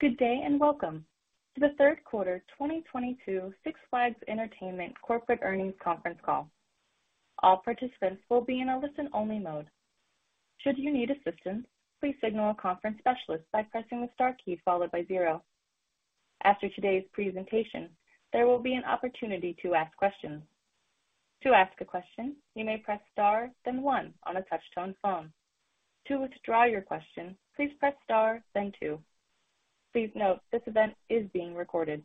Good day, and welcome to The Third Quarter 2022 Six Flags Entertainment Corporate Earnings Conference Call. All participants will be in a listen-only mode. Should you need assistance, please signal a conference specialist by pressing the star key followed by zero. After today's presentation, there will be an opportunity to ask questions. To ask a question, you may press star, then one on a touch-tone phone. To withdraw your question, please press star then two. Please note this event is being recorded.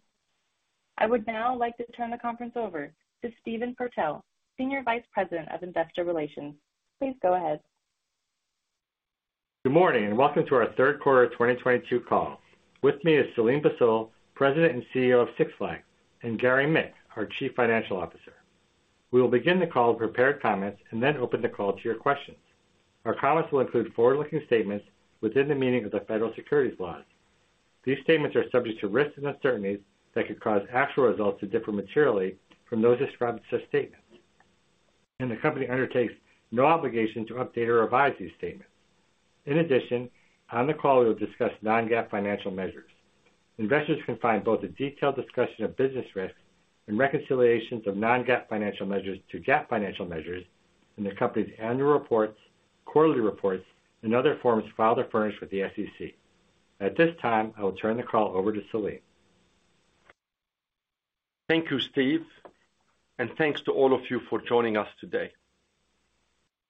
I would now like to turn the conference over to Stephen Purtell, Senior Vice President of Investor Relations. Please go ahead. Good morning, and welcome to our third quarter 2022 call. With me is Selim Bassoul, President and CEO of Six Flags, and Gary Mick, our Chief Financial Officer. We will begin the call with prepared comments and then open the call to your questions. Our comments will include forward-looking statements within the meaning of the federal securities laws. These statements are subject to risks and uncertainties that could cause actual results to differ materially from those described in such statements. The company undertakes no obligation to update or revise these statements. In addition, on the call, we will discuss non-GAAP financial measures. Investors can find both a detailed discussion of business risks and reconciliations of non-GAAP financial measures to GAAP financial measures in the company's annual reports, quarterly reports, and other forms filed or furnished with the SEC. At this time, I will turn the call over to Selim. Thank you, Steve, and thanks to all of you for joining us today.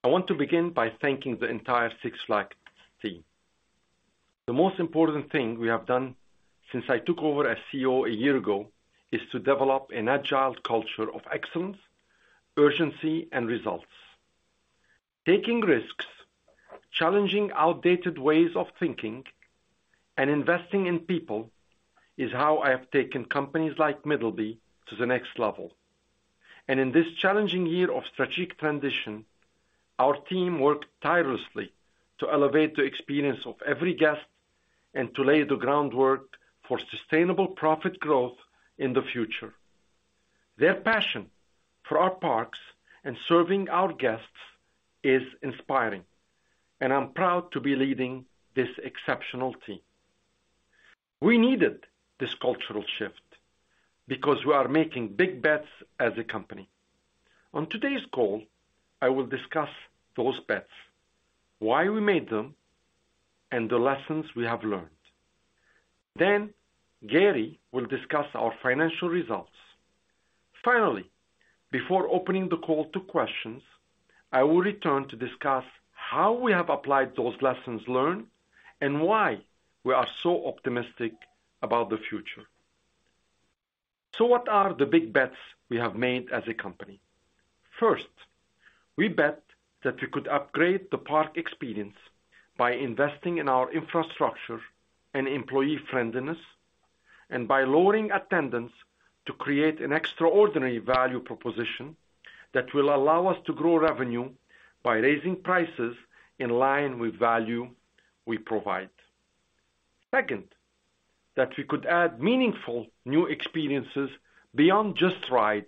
I want to begin by thanking the entire Six Flags team. The most important thing we have done since I took over as CEO a year ago is to develop an agile culture of excellence, urgency, and results. Taking risks, challenging outdated ways of thinking, and investing in people is how I have taken companies like Middleby to the next level. In this challenging year of strategic transition, our team worked tirelessly to elevate the experience of every guest and to lay the groundwork for sustainable profit growth in the future. Their passion for our parks and serving our guests is inspiring, and I'm proud to be leading this exceptional team. We needed this cultural shift because we are making big bets as a company. On today's call, I will discuss those bets, why we made them, and the lessons we have learned. Gary will discuss our financial results. Finally, before opening the call to questions, I will return to discuss how we have applied those lessons learned and why we are so optimistic about the future. What are the big bets we have made as a company? First, we bet that we could upgrade the park experience by investing in our infrastructure and employee friendliness and by lowering attendance to create an extraordinary value proposition that will allow us to grow revenue by raising prices in line with value we provide. Second, that we could add meaningful new experiences beyond just rides,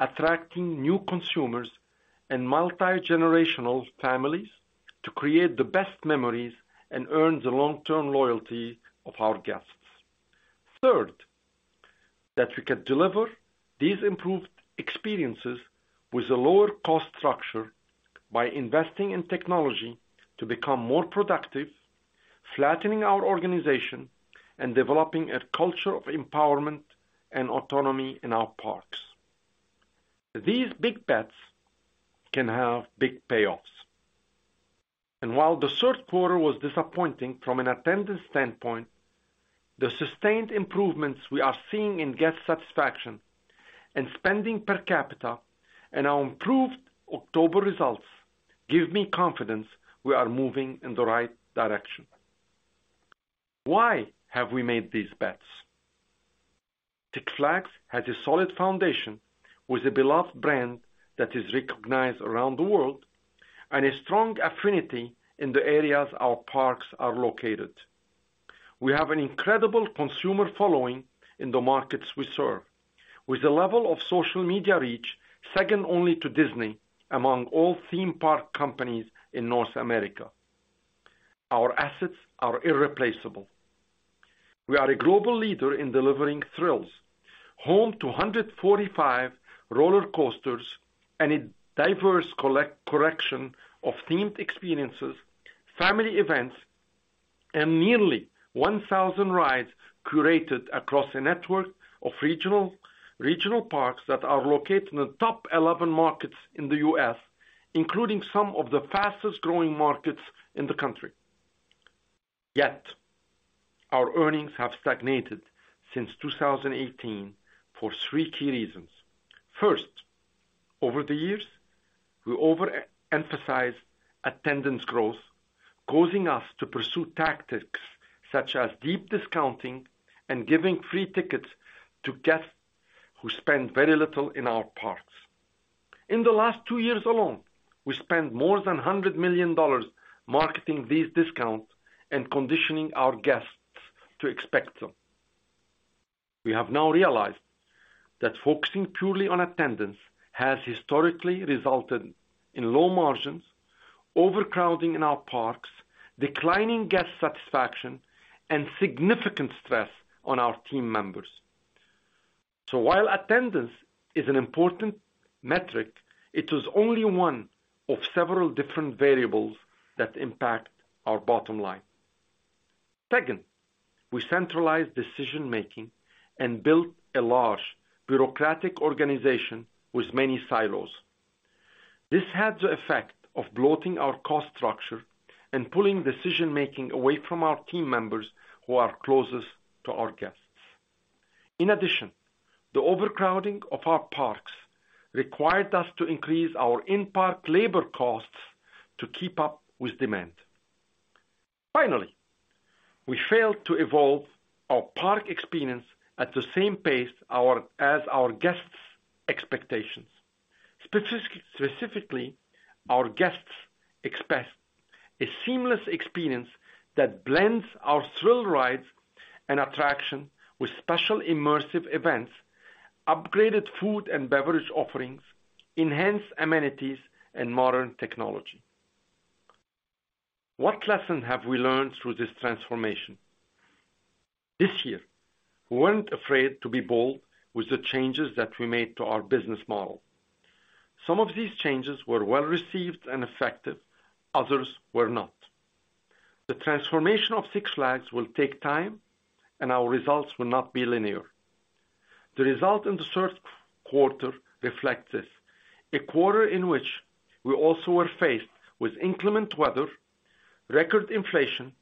attracting new consumers and multigenerational families to create the best memories and earn the long-term loyalty of our guests. Third, that we can deliver these improved experiences with a lower cost structure by investing in technology to become more productive, flattening our organization, and developing a culture of empowerment and autonomy in our parks. These big bets can have big payoffs. While the third quarter was disappointing from an attendance standpoint, the sustained improvements we are seeing in guest satisfaction and spending per capita and our improved October results give me confidence we are moving in the right direction. Why have we made these bets? Six Flags has a solid foundation with a beloved brand that is recognized around the world and a strong affinity in the areas our parks are located. We have an incredible consumer following in the markets we serve, with a level of social media reach second only to Disney among all theme park companies in North America. Our assets are irreplaceable. We are a global leader in delivering thrills, home to 145 roller coasters and a diverse collection of themed experiences, family events, and nearly 1,000 rides curated across a network of regional parks that are located in the top 11 markets in the U.S., including some of the fastest-growing markets in the country. Yet, our earnings have stagnated since 2018 for three key reasons. First, over the years, we overemphasized attendance growth, causing us to pursue tactics such as deep discounting and giving free tickets to guests who spend very little in our parks. In the last two years alone, we spent more than $100 million marketing these discounts and conditioning our guests to expect them. We have now realized that focusing purely on attendance has historically resulted in low margins, overcrowding in our parks, declining guest satisfaction, and significant stress on our team members. While attendance is an important metric, it is only one of several different variables that impact our bottom line. Second, we centralized decision-making and built a large bureaucratic organization with many silos. This had the effect of bloating our cost structure and pulling decision-making away from our team members who are closest to our guests. In addition, the overcrowding of our parks required us to increase our in-park labor costs to keep up with demand. Finally, we failed to evolve our park experience at the same pace as our guests' expectations. Specifically, our guests expect a seamless experience that blends our thrill rides and attraction with special immersive events, upgraded food and beverage offerings, enhanced amenities, and modern technology. What lesson have we learned through this transformation? This year, we weren't afraid to be bold with the changes that we made to our business model. Some of these changes were well-received and effective, others were not. The transformation of Six Flags will take time, and our results will not be linear. The result in the third quarter reflects this. A quarter in which we also were faced with inclement weather, record inflation,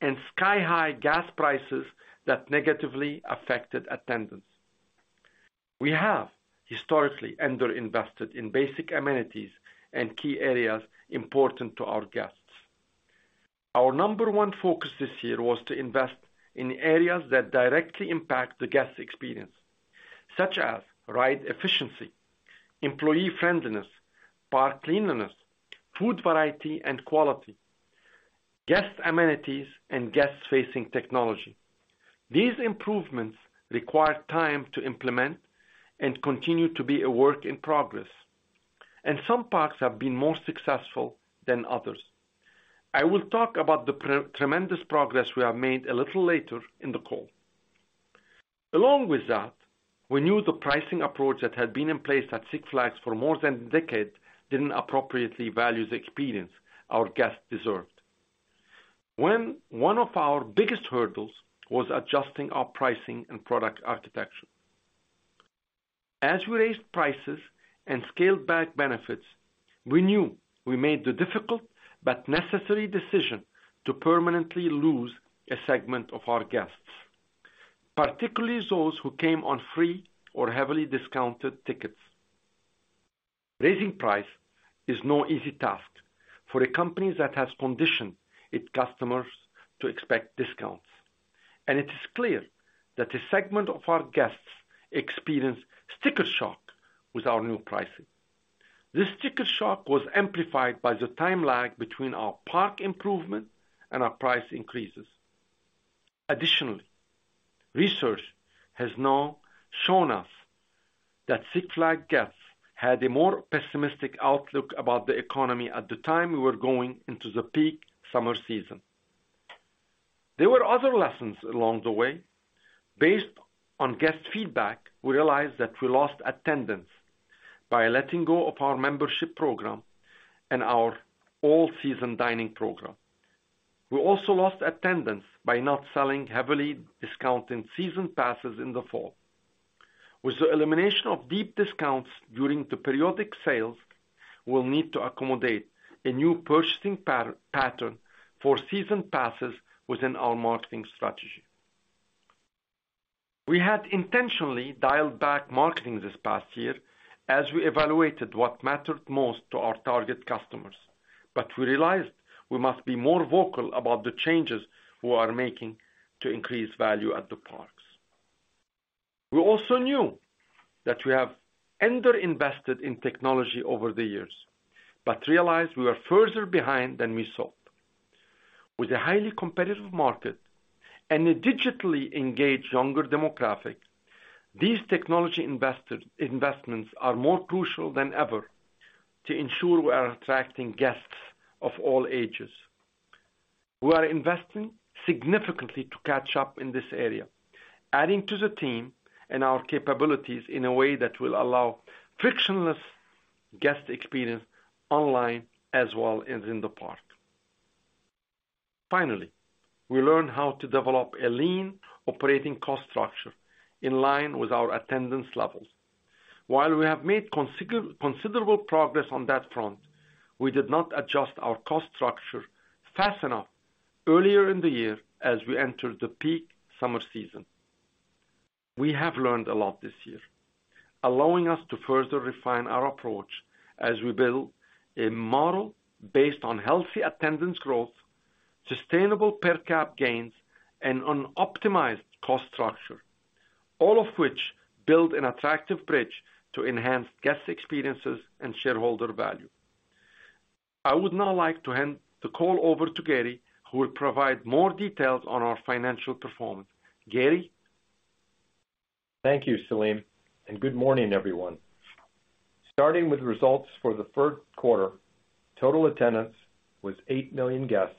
and sky-high gas prices that negatively affected attendance. We have historically underinvested in basic amenities and key areas important to our guests. Our number one focus this year was to invest in areas that directly impact the guest experience, such as ride efficiency, employee friendliness, park cleanliness, food variety and quality, guest amenities, and guest-facing technology. These improvements require time to implement and continue to be a work in progress, and some parks have been more successful than others. I will talk about the tremendous progress we have made a little later in the call. Along with that, we knew the pricing approach that had been in place at Six Flags for more than a decade didn't appropriately value the experience our guests deserved. One of our biggest hurdles was adjusting our pricing and product architecture. As we raised prices and scaled back benefits, we knew we made the difficult but necessary decision to permanently lose a segment of our guests, particularly those who came on free or heavily discounted tickets. Raising price is no easy task for a company that has conditioned its customers to expect discounts. It is clear that a segment of our guests experienced sticker shock with our new pricing. This sticker shock was amplified by the time lag between our park improvement and our price increases. Additionally, research has now shown us that Six Flags guests had a more pessimistic outlook about the economy at the time we were going into the peak summer season. There were other lessons along the way. Based on guest feedback, we realized that we lost attendance by letting go of our membership program and our all-season dining program. We also lost attendance by not selling heavily discounted Season Passes in the fall. With the elimination of deep discounts during the periodic sales, we'll need to accommodate a new purchasing pattern for Season Passes within our marketing strategy. We had intentionally dialed back marketing this past year as we evaluated what mattered most to our target customers, but we realized we must be more vocal about the changes we are making to increase value at the parks. We also knew that we have underinvested in technology over the years, but realized we were further behind than we thought. With a highly competitive market and a digitally engaged younger demographic, these technology investments are more crucial than ever to ensure we are attracting guests of all ages. We are investing significantly to catch up in this area, adding to the team and our capabilities in a way that will allow frictionless guest experience online as well as in the park. Finally, we learn how to develop a lean operating cost structure in line with our attendance levels. While we have made considerable progress on that front, we did not adjust our cost structure fast enough earlier in the year as we entered the peak summer season. We have learned a lot this year, allowing us to further refine our approach as we build a model based on healthy attendance growth, sustainable per cap gains, and an optimized cost structure, all of which build an attractive bridge to enhance guest experiences and shareholder value. I would now like to hand the call over to Gary, who will provide more details on our financial performance. Gary? Thank you, Selim, and good morning, everyone. Starting with results for the third quarter, total attendance was 8 million guests,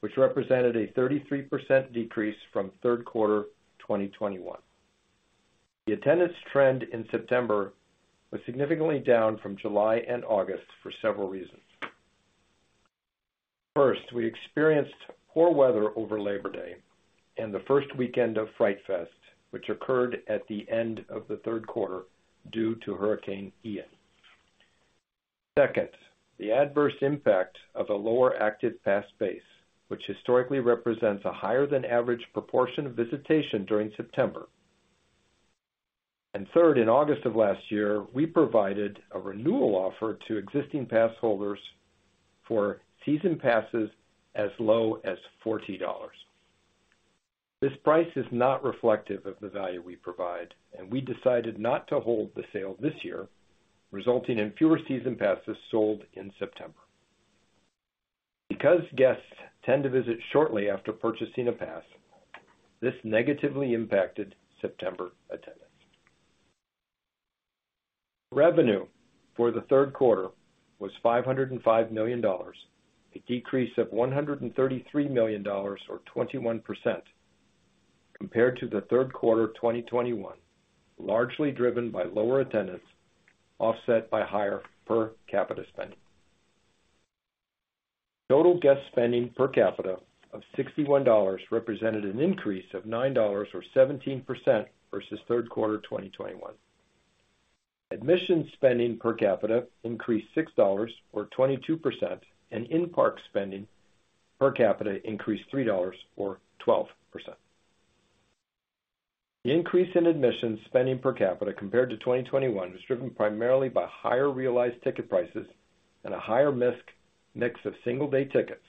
which represented a 33% decrease from third quarter 2021. The attendance trend in September was significantly down from July and August for several reasons. First, we experienced poor weather over Labor Day and the first weekend of Fright Fest, which occurred at the end of the third quarter due to Hurricane Ian. Second, the adverse impact of a lower active pass base, which historically represents a higher than average proportion of visitation during September. Third, in August of last year, we provided a renewal offer to existing pass holders for Season Passes as low as $40. This price is not reflective of the value we provide, and we decided not to hold the sale this year, resulting in fewer Season Passes sold in September. Because guests tend to visit shortly after purchasing a pass, this negatively impacted September attendance. Revenue for the third quarter was $505 million, a decrease of $133 million or 21% compared to the third quarter of 2021, largely driven by lower attendance, offset by higher per capita spending. Total guest spending per capita of $61 represented an increase of $9 or 17% versus third quarter 2021. Admission spending per capita increased $6 or 22%, and in-park spending per capita increased $3 or 12%. The increase in admission spending per capita compared to 2021 was driven primarily by higher realized ticket prices and a higher mix of single-day tickets,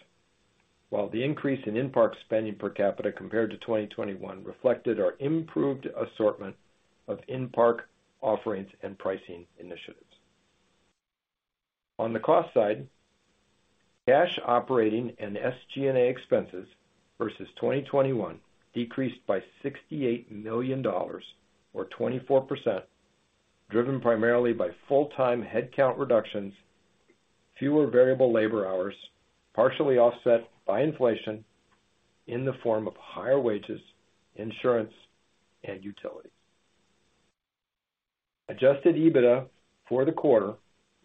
while the increase in in-park spending per capita compared to 2021 reflected our improved assortment of in-park offerings and pricing initiatives. On the cost side, cash operating and SG&A expenses versus 2021 decreased by $68 million or 24%, driven primarily by full-time headcount reductions, fewer variable labor hours, partially offset by inflation in the form of higher wages, insurance, and utilities. Adjusted EBITDA for the quarter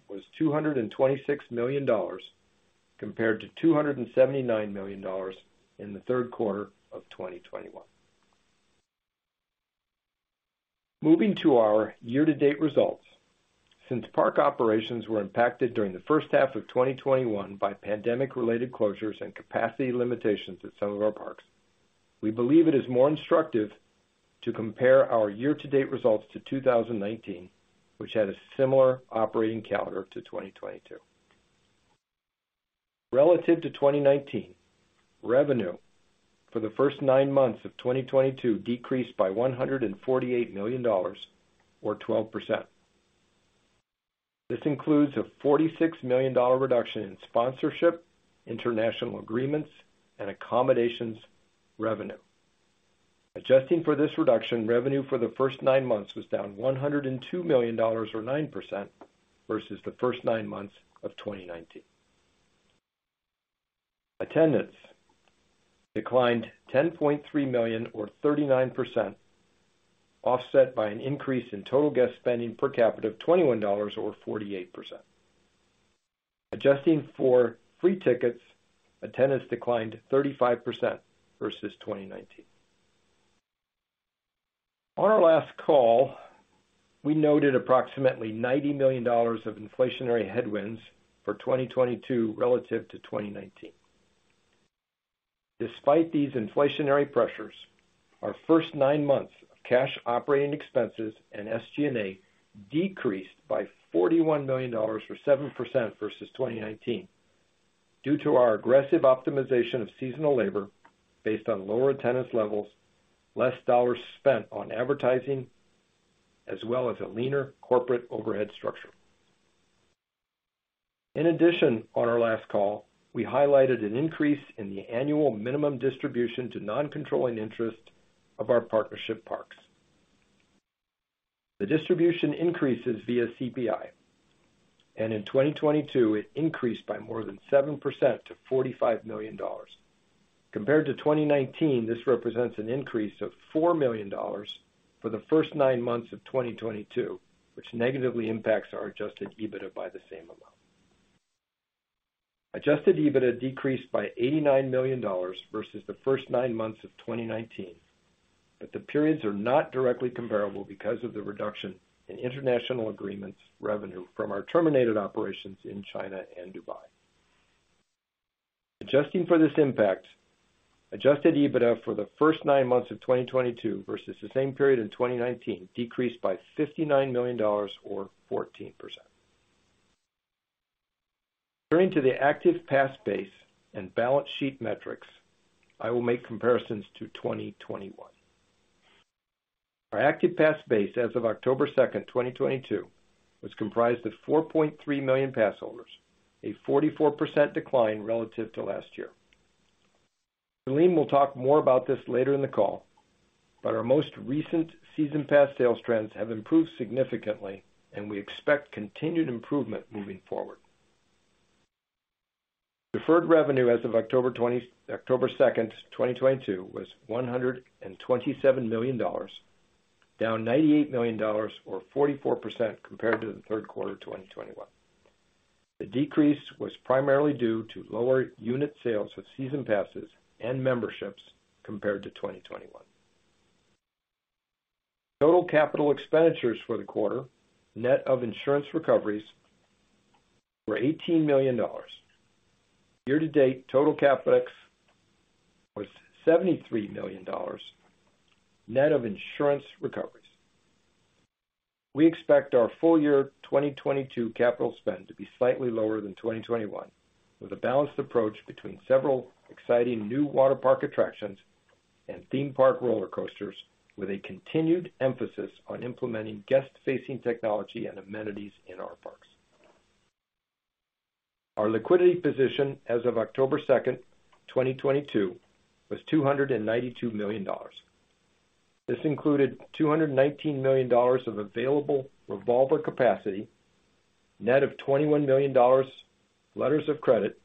was $226 million compared to $279 million in the third quarter of 2021. Moving to our year-to-date results. Since park operations were impacted during the first half of 2021 by pandemic-related closures and capacity limitations at some of our parks, we believe it is more instructive to compare our year-to-date results to 2019, which had a similar operating calendar to 2022. Relative to 2019, revenue for the first nine months of 2022 decreased by $148 million or 12%. This includes a $46 million reduction in sponsorship, international agreements, and accommodations revenue. Adjusting for this reduction, revenue for the first nine months was down $102 million or 9% versus the first nine months of 2019. Attendance declined 10.3 million or 39%, offset by an increase in total guest spending per capita of $21 or 48%. Adjusting for free tickets, attendance declined 35% versus 2019. On our last call, we noted approximately $90 million of inflationary headwinds for 2022 relative to 2019. Despite these inflationary pressures, our first nine months of cash operating expenses and SG&A decreased by $41 million or 7% versus 2019 due to our aggressive optimization of seasonal labor based on lower attendance levels, less dollars spent on advertising, as well as a leaner corporate overhead structure. In addition, on our last call, we highlighted an increase in the annual minimum distribution to non-controlling interest of our partnership parks. The distribution increases via CPI, and in 2022, it increased by more than 7% to $45 million. Compared to 2019, this represents an increase of $4 million for the first nine months of 2022, which negatively impacts our Adjusted EBITDA by the same amount. Adjusted EBITDA decreased by $89 million versus the first nine months of 2019, but the periods are not directly comparable because of the reduction in international agreements revenue from our terminated operations in China and Dubai. Adjusting for this impact, Adjusted EBITDA for the first nine months of 2022 versus the same period in 2019 decreased by $59 million or 14%. Turning to the active pass base and balance sheet metrics, I will make comparisons to 2021. Our active pass base as of October 2, 2022 was comprised of 4.3 million pass holders, a 44% decline relative to last year. Selim will talk more about this later in the call, but our most recent season pass sales trends have improved significantly and we expect continued improvement moving forward. Deferred revenue as of October 2, 2022 was $127 million, down $98 million or 44% compared to the third quarter of 2021. The decrease was primarily due to lower unit sales of Season Passes and memberships compared to 2021. Total capital expenditures for the quarter, net of insurance recoveries, were $18 million. Year-to-date total CapEx was $73 million, net of insurance recoveries. We expect our full year 2022 capital spend to be slightly lower than 2021, with a balanced approach between several exciting new waterpark attractions and theme park roller coasters, with a continued emphasis on implementing guest-facing technology and amenities in our parks. Our liquidity position as of October second, 2022 was $292 million. This included $219 million of available revolver capacity, net of $21 million letters of credit,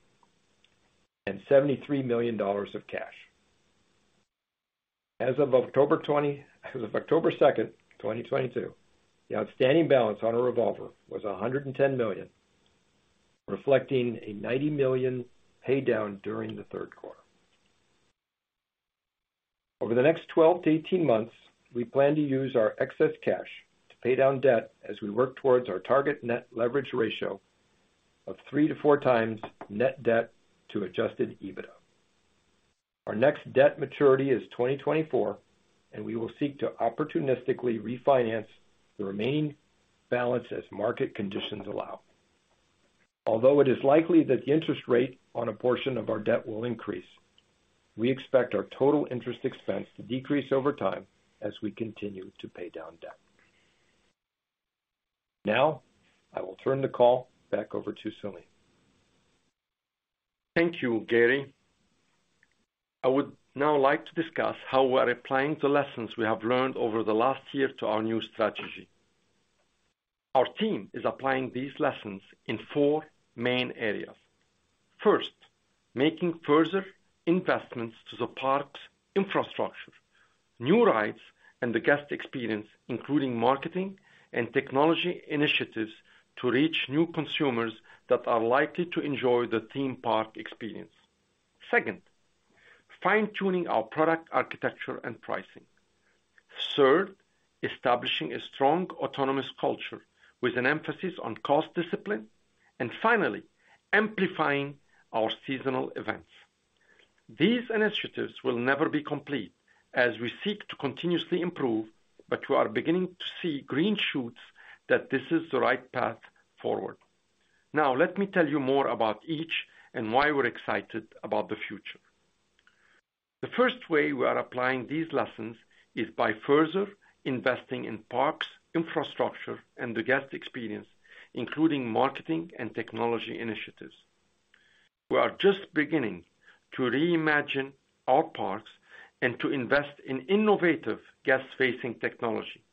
and $73 million of cash. As of October second, 2022, the outstanding balance on a revolver was $110 million, reflecting a $90 million pay down during the third quarter. Over the next 12 to 18 months, we plan to use our excess cash to pay down debt as we work towards our target net leverage ratio of three to four times net debt to Adjusted EBITDA. Our next debt maturity is 2024, and we will seek to opportunistically refinance the remaining balance as market conditions allow. Although it is likely that the interest rate on a portion of our debt will increase, we expect our total interest expense to decrease over time as we continue to pay down debt. Now I will turn the call back over to Selim. Thank you, Gary. I would now like to discuss how we are applying the lessons we have learned over the last year to our new strategy. Our team is applying these lessons in four main areas. First, making further investments to the park's infrastructure, new rides, and the guest experience, including marketing and technology initiatives to reach new consumers that are likely to enjoy the theme park experience. Second, fine-tuning our product architecture and pricing. Third, establishing a strong autonomous culture with an emphasis on cost discipline. Finally, amplifying our seasonal events. These initiatives will never be complete as we seek to continuously improve, but we are beginning to see green shoots that this is the right path forward. Now, let me tell you more about each and why we're excited about the future. The first way we are applying these lessons is by further investing in parks infrastructure and the guest experience, including marketing and technology initiatives. We are just beginning to reimagine our parks and to invest in innovative guest-facing technology.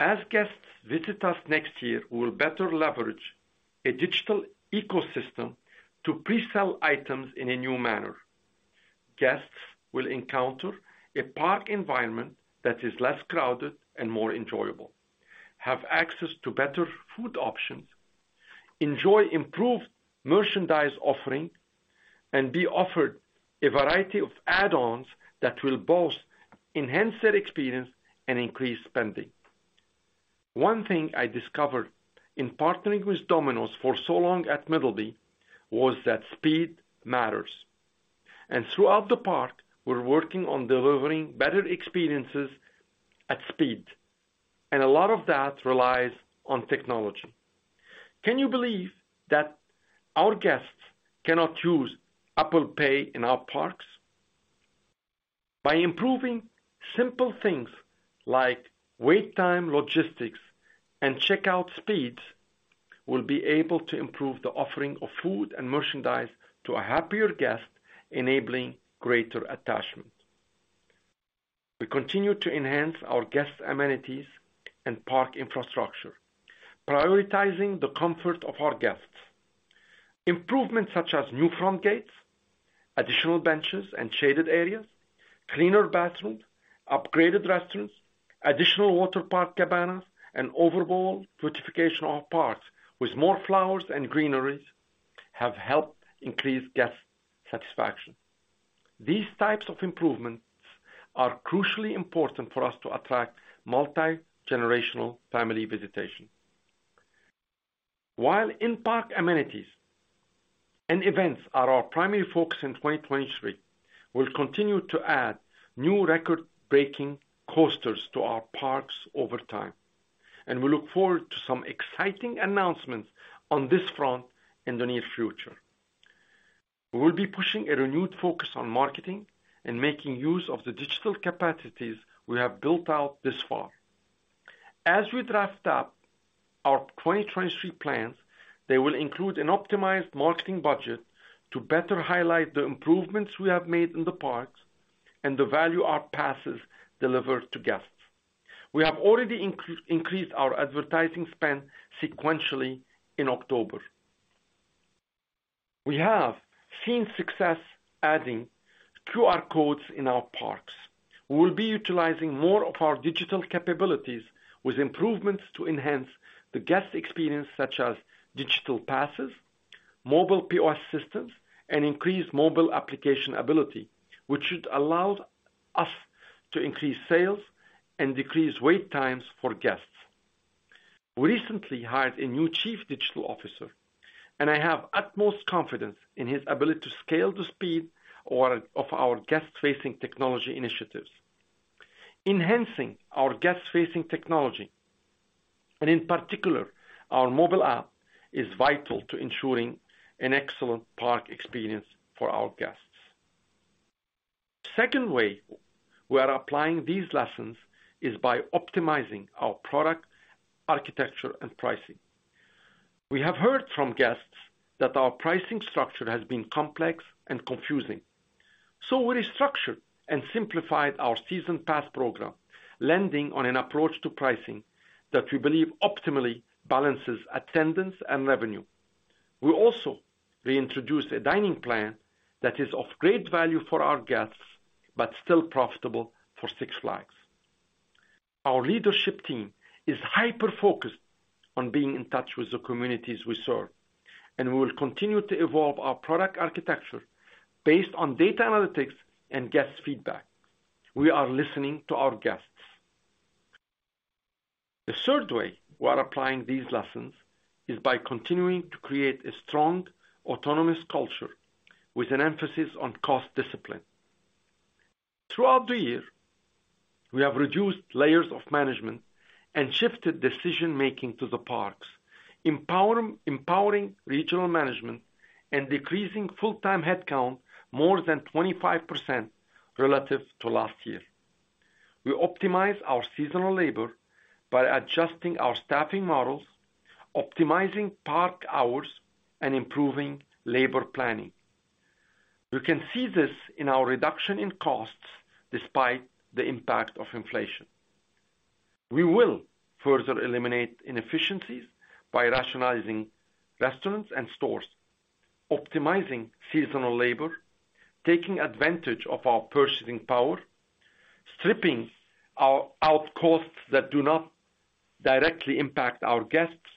As guests visit us next year, we will better leverage a digital ecosystem to pre-sell items in a new manner. Guests will encounter a park environment that is less crowded and more enjoyable, have access to better food options, enjoy improved merchandise offering, and be offered a variety of add-ons that will both enhance their experience and increase spending. One thing I discovered in partnering with Domino's for so long at Middleby was that speed matters. Throughout the park, we're working on delivering better experiences at speed, and a lot of that relies on technology. Can you believe that our guests cannot use Apple Pay in our parks? By improving simple things like wait time logistics and checkout speeds, we'll be able to improve the offering of food and merchandise to a happier guest, enabling greater attachment. We continue to enhance our guest amenities and park infrastructure, prioritizing the comfort of our guests. Improvements such as new front gates, additional benches and shaded areas, cleaner bathrooms, upgraded restrooms, additional water park cabanas, and overall beautification of parks with more flowers and greeneries have helped increase guest satisfaction. These types of improvements are crucially important for us to attract multi-generational family visitation. While in-park amenities and events are our primary focus in 2023, we'll continue to add new record-breaking coasters to our parks over time, and we look forward to some exciting announcements on this front in the near future. We'll be pushing a renewed focus on marketing and making use of the digital capacities we have built out this far. As we draft up our 2023 plans, they will include an optimized marketing budget to better highlight the improvements we have made in the parks and the value our passes deliver to guests. We have already increased our advertising spend sequentially in October. We have seen success adding QR codes in our parks. We will be utilizing more of our digital capabilities with improvements to enhance the guest experience, such as digital passes, mobile POS systems, and increased mobile application ability, which should allow us to increase sales and decrease wait times for guests. We recently hired a new chief digital officer, and I have utmost confidence in his ability to scale the speed of our guest-facing technology initiatives. Enhancing our guest-facing technology, and in particular our mobile app, is vital to ensuring an excellent park experience for our guests. Second way we are applying these lessons is by optimizing our product architecture and pricing. We have heard from guests that our pricing structure has been complex and confusing. We restructured and simplified our season pass program, landing on an approach to pricing that we believe optimally balances attendance and revenue. We also reintroduced a dining plan that is of great value for our guests, but still profitable for Six Flags. Our leadership team is hyper-focused on being in touch with the communities we serve, and we will continue to evolve our product architecture based on data analytics and guest feedback. We are listening to our guests. The third way we are applying these lessons is by continuing to create a strong autonomous culture with an emphasis on cost discipline. Throughout the year, we have reduced layers of management and shifted decision-making to the parks, empowering regional management and decreasing full-time headcount more than 25% relative to last year. We optimize our seasonal labor by adjusting our staffing models, optimizing park hours, and improving labor planning. You can see this in our reduction in costs despite the impact of inflation. We will further eliminate inefficiencies by rationalizing restaurants and stores, optimizing seasonal labor, taking advantage of our purchasing power, stripping out costs that do not directly impact our guests,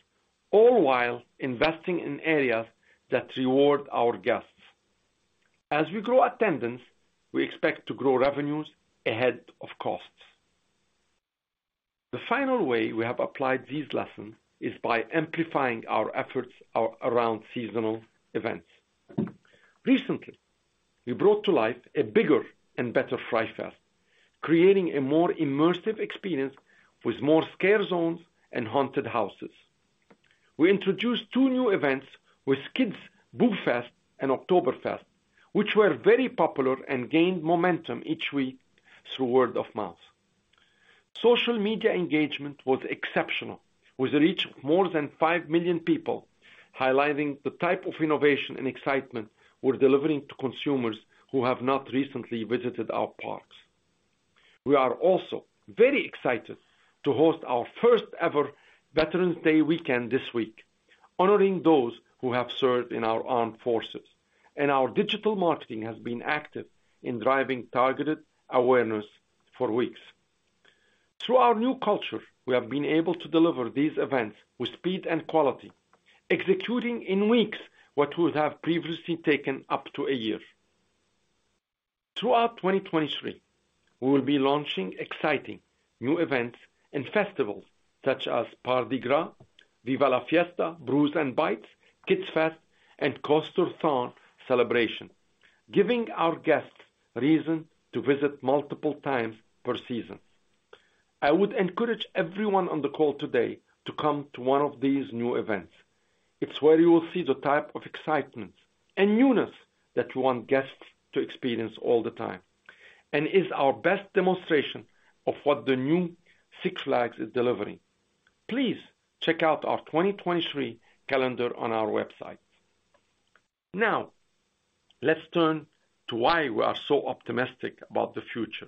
all while investing in areas that reward our guests. As we grow attendance, we expect to grow revenues ahead of costs. The final way we have applied these lessons is by amplifying our efforts around seasonal events. Recently, we brought to life a bigger and better Fright Fest, creating a more immersive experience with more scare zones and haunted houses. We introduced two new events with Kids Boo Fest and Oktoberfest, which were very popular and gained momentum each week through word of mouth. Social media engagement was exceptional, with a reach of more than five million people, highlighting the type of innovation and excitement we're delivering to consumers who have not recently visited our parks. We are also very excited to host our first ever Veterans Day weekend this week, honoring those who have served in our armed forces. Our digital marketing has been active in driving targeted awareness for weeks. Through our new culture, we have been able to deliver these events with speed and quality, executing in weeks what would have previously taken up to a year. Throughout 2023, we will be launching exciting new events and festivals such as Mardi Gras, Viva La Fiesta, Brews & Bites, Kids Fest, and Boomerang Coast to Coaster celebration, giving our guests reason to visit multiple times per season. I would encourage everyone on the call today to come to one of these new events. It's where you will see the type of excitement and newness that we want guests to experience all the time and is our best demonstration of what the new Six Flags is delivering. Please check out our 2023 calendar on our website. Now, let's turn to why we are so optimistic about the future.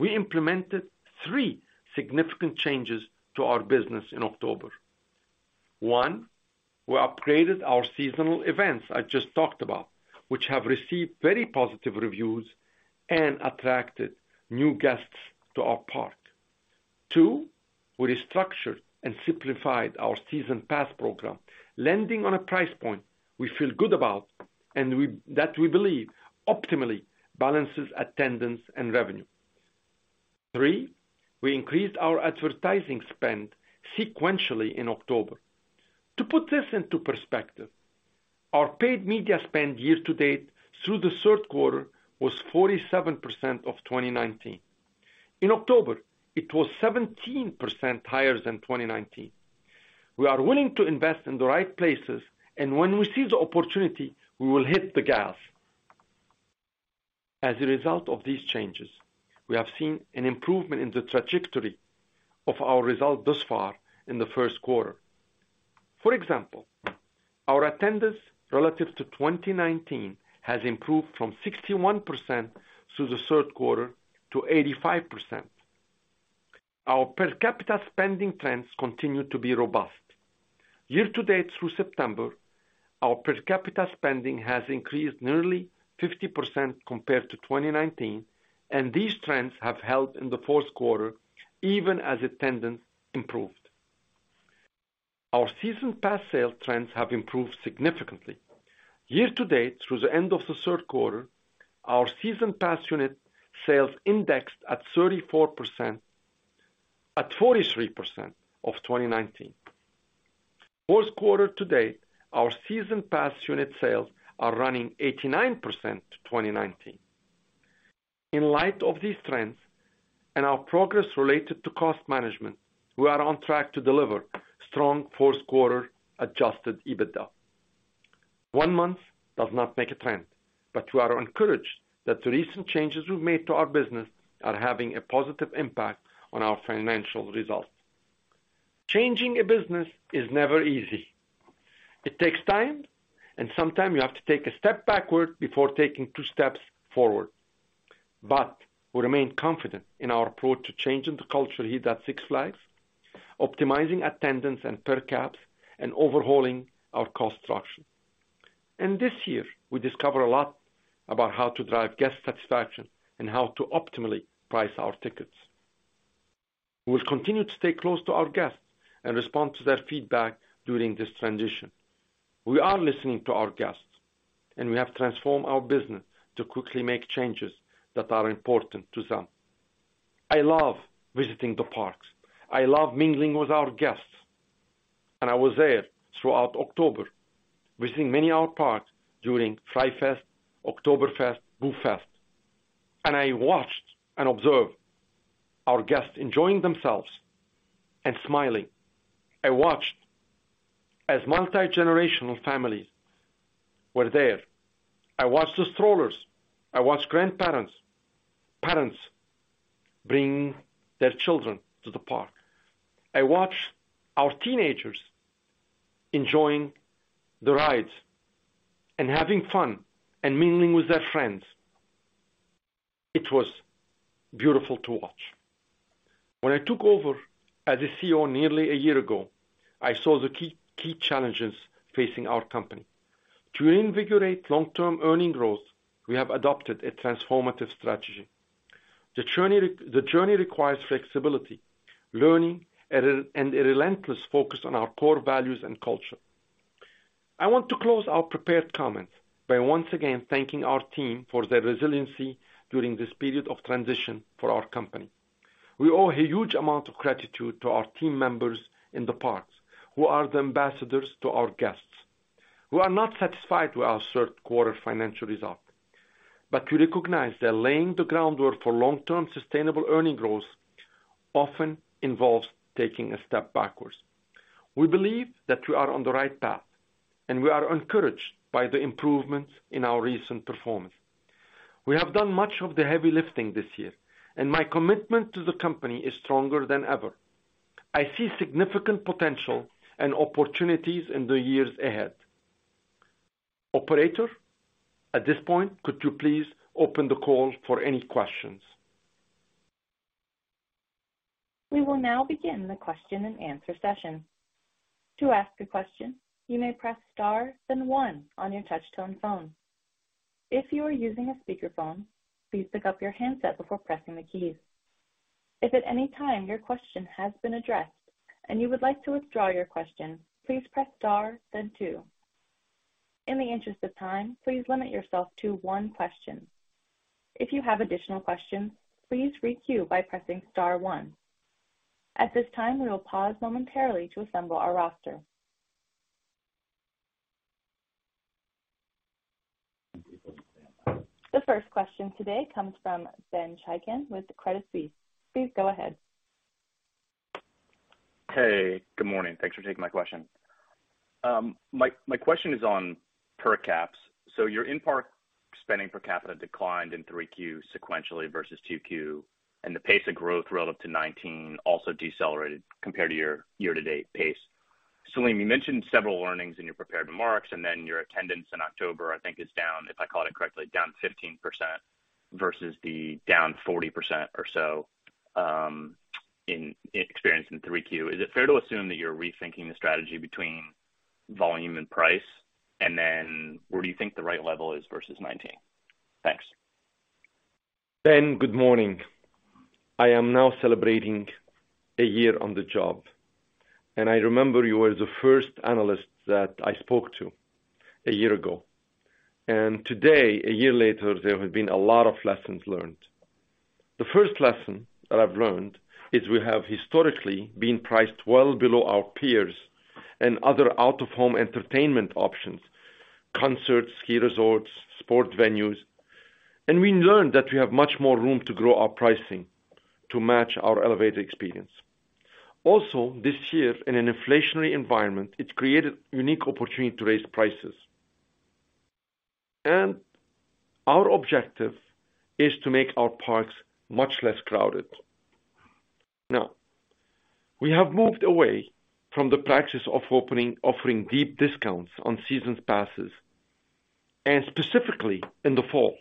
We implemented three significant changes to our business in October. One, we upgraded our seasonal events I just talked about, which have received very positive reviews and attracted new guests to our park. Two, we restructured and simplified our season pass program, landing on a price point we feel good about that we believe optimally balances attendance and revenue. Three, we increased our advertising spend sequentially in October. To put this into perspective, our paid media spend year to date through the third quarter was 47% of 2019. In October, it was 17% higher than 2019. We are willing to invest in the right places, and when we see the opportunity, we will hit the gas. As a result of these changes, we have seen an improvement in the trajectory of our results thus far in the first quarter. For example, our attendance relative to 2019 has improved from 61% through the third quarter to 85%. Our per capita spending trends continue to be robust. Year to date through September, our per capita spending has increased nearly 50% compared to 2019, and these trends have held in the fourth quarter even as attendance improved. Our season pass sales trends have improved significantly. Year to date through the end of the third quarter, our season pass unit sales indexed at 34%. At 43% of 2019. Fourth quarter to date, our season pass unit sales are running 89% to 2019. In light of these trends and our progress related to cost management, we are on track to deliver strong fourth quarter Adjusted EBITDA. One month does not make a trend, but we are encouraged that the recent changes we've made to our business are having a positive impact on our financial results. Changing a business is never easy. It takes time, and sometimes you have to take a step backward before taking two steps forward. We remain confident in our approach to changing the culture here at Six Flags, optimizing attendance and per caps, and overhauling our cost structure. This year, we discover a lot about how to drive guest satisfaction and how to optimally price our tickets. We will continue to stay close to our guests and respond to their feedback during this transition. We are listening to our guests, and we have transformed our business to quickly make changes that are important to them. I love visiting the parks. I love mingling with our guests. I was there throughout October, visiting many of our parks during Fright Fest, Oktoberfest, Boo Fest, and I watched and observed our guests enjoying themselves and smiling. I watched as multi-generational families were there. I watched the strollers. I watched grandparents, parents bring their children to the park. I watched our teenagers enjoying the rides and having fun and mingling with their friends. It was beautiful to watch. When I took over as CEO nearly a year ago, I saw the key challenges facing our company. To invigorate long-term earnings growth, we have adopted a transformative strategy. The journey requires flexibility, learning, and a relentless focus on our core values and culture. I want to close our prepared comments by once again thanking our team for their resiliency during this period of transition for our company. We owe a huge amount of gratitude to our team members in the parks who are the ambassadors to our guests. We are not satisfied with our third quarter financial result, but we recognize that laying the groundwork for long-term sustainable earnings growth often involves taking a step backwards. We believe that we are on the right path, and we are encouraged by the improvements in our recent performance. We have done much of the heavy lifting this year, and my commitment to the company is stronger than ever. I see significant potential and opportunities in the years ahead. Operator, at this point, could you please open the call for any questions? We will now begin the question-and-answer session. To ask a question, you may press star, then one on your touch tone phone. If you are using a speakerphone, please pick up your handset before pressing the keys. If at any time your question has been addressed and you would like to withdraw your question, please press star then two. In the interest of time, please limit yourself to one question. If you have additional questions, please re-queue by pressing star one. At this time, we will pause momentarily to assemble our roster. The first question today comes from Ben Chaiken with Credit Suisse. Please go ahead. Hey, good morning. Thanks for taking my question. My question is on per capita. So your in-park spending per capita declined in 3Q sequentially versus 2Q, and the pace of growth relative to 2019 also decelerated compared to your year-to-date pace. Selim, you mentioned several learnings in your prepared remarks, and then your attendance in October I think is down, if I called it correctly, down 15% versus the down 40% or so during Hurricane Ian in 3Q. Is it fair to assume that you're rethinking the strategy between volume and price, and then where do you think the right level is versus 2019? Thanks. Ben, good morning. I am now celebrating a year on the job, and I remember you were the first analyst that I spoke to a year ago. Today, a year later, there have been a lot of lessons learned. The first lesson that I've learned is we have historically been priced well below our peers and other out-of-home entertainment options, concerts, ski resorts, sport venues. We learned that we have much more room to grow our pricing to match our elevated experience. Also, this year, in an inflationary environment, it's created unique opportunity to raise prices. Our objective is to make our parks much less crowded. Now, we have moved away from the practice of offering deep discounts on Season Passes, and specifically in the fall,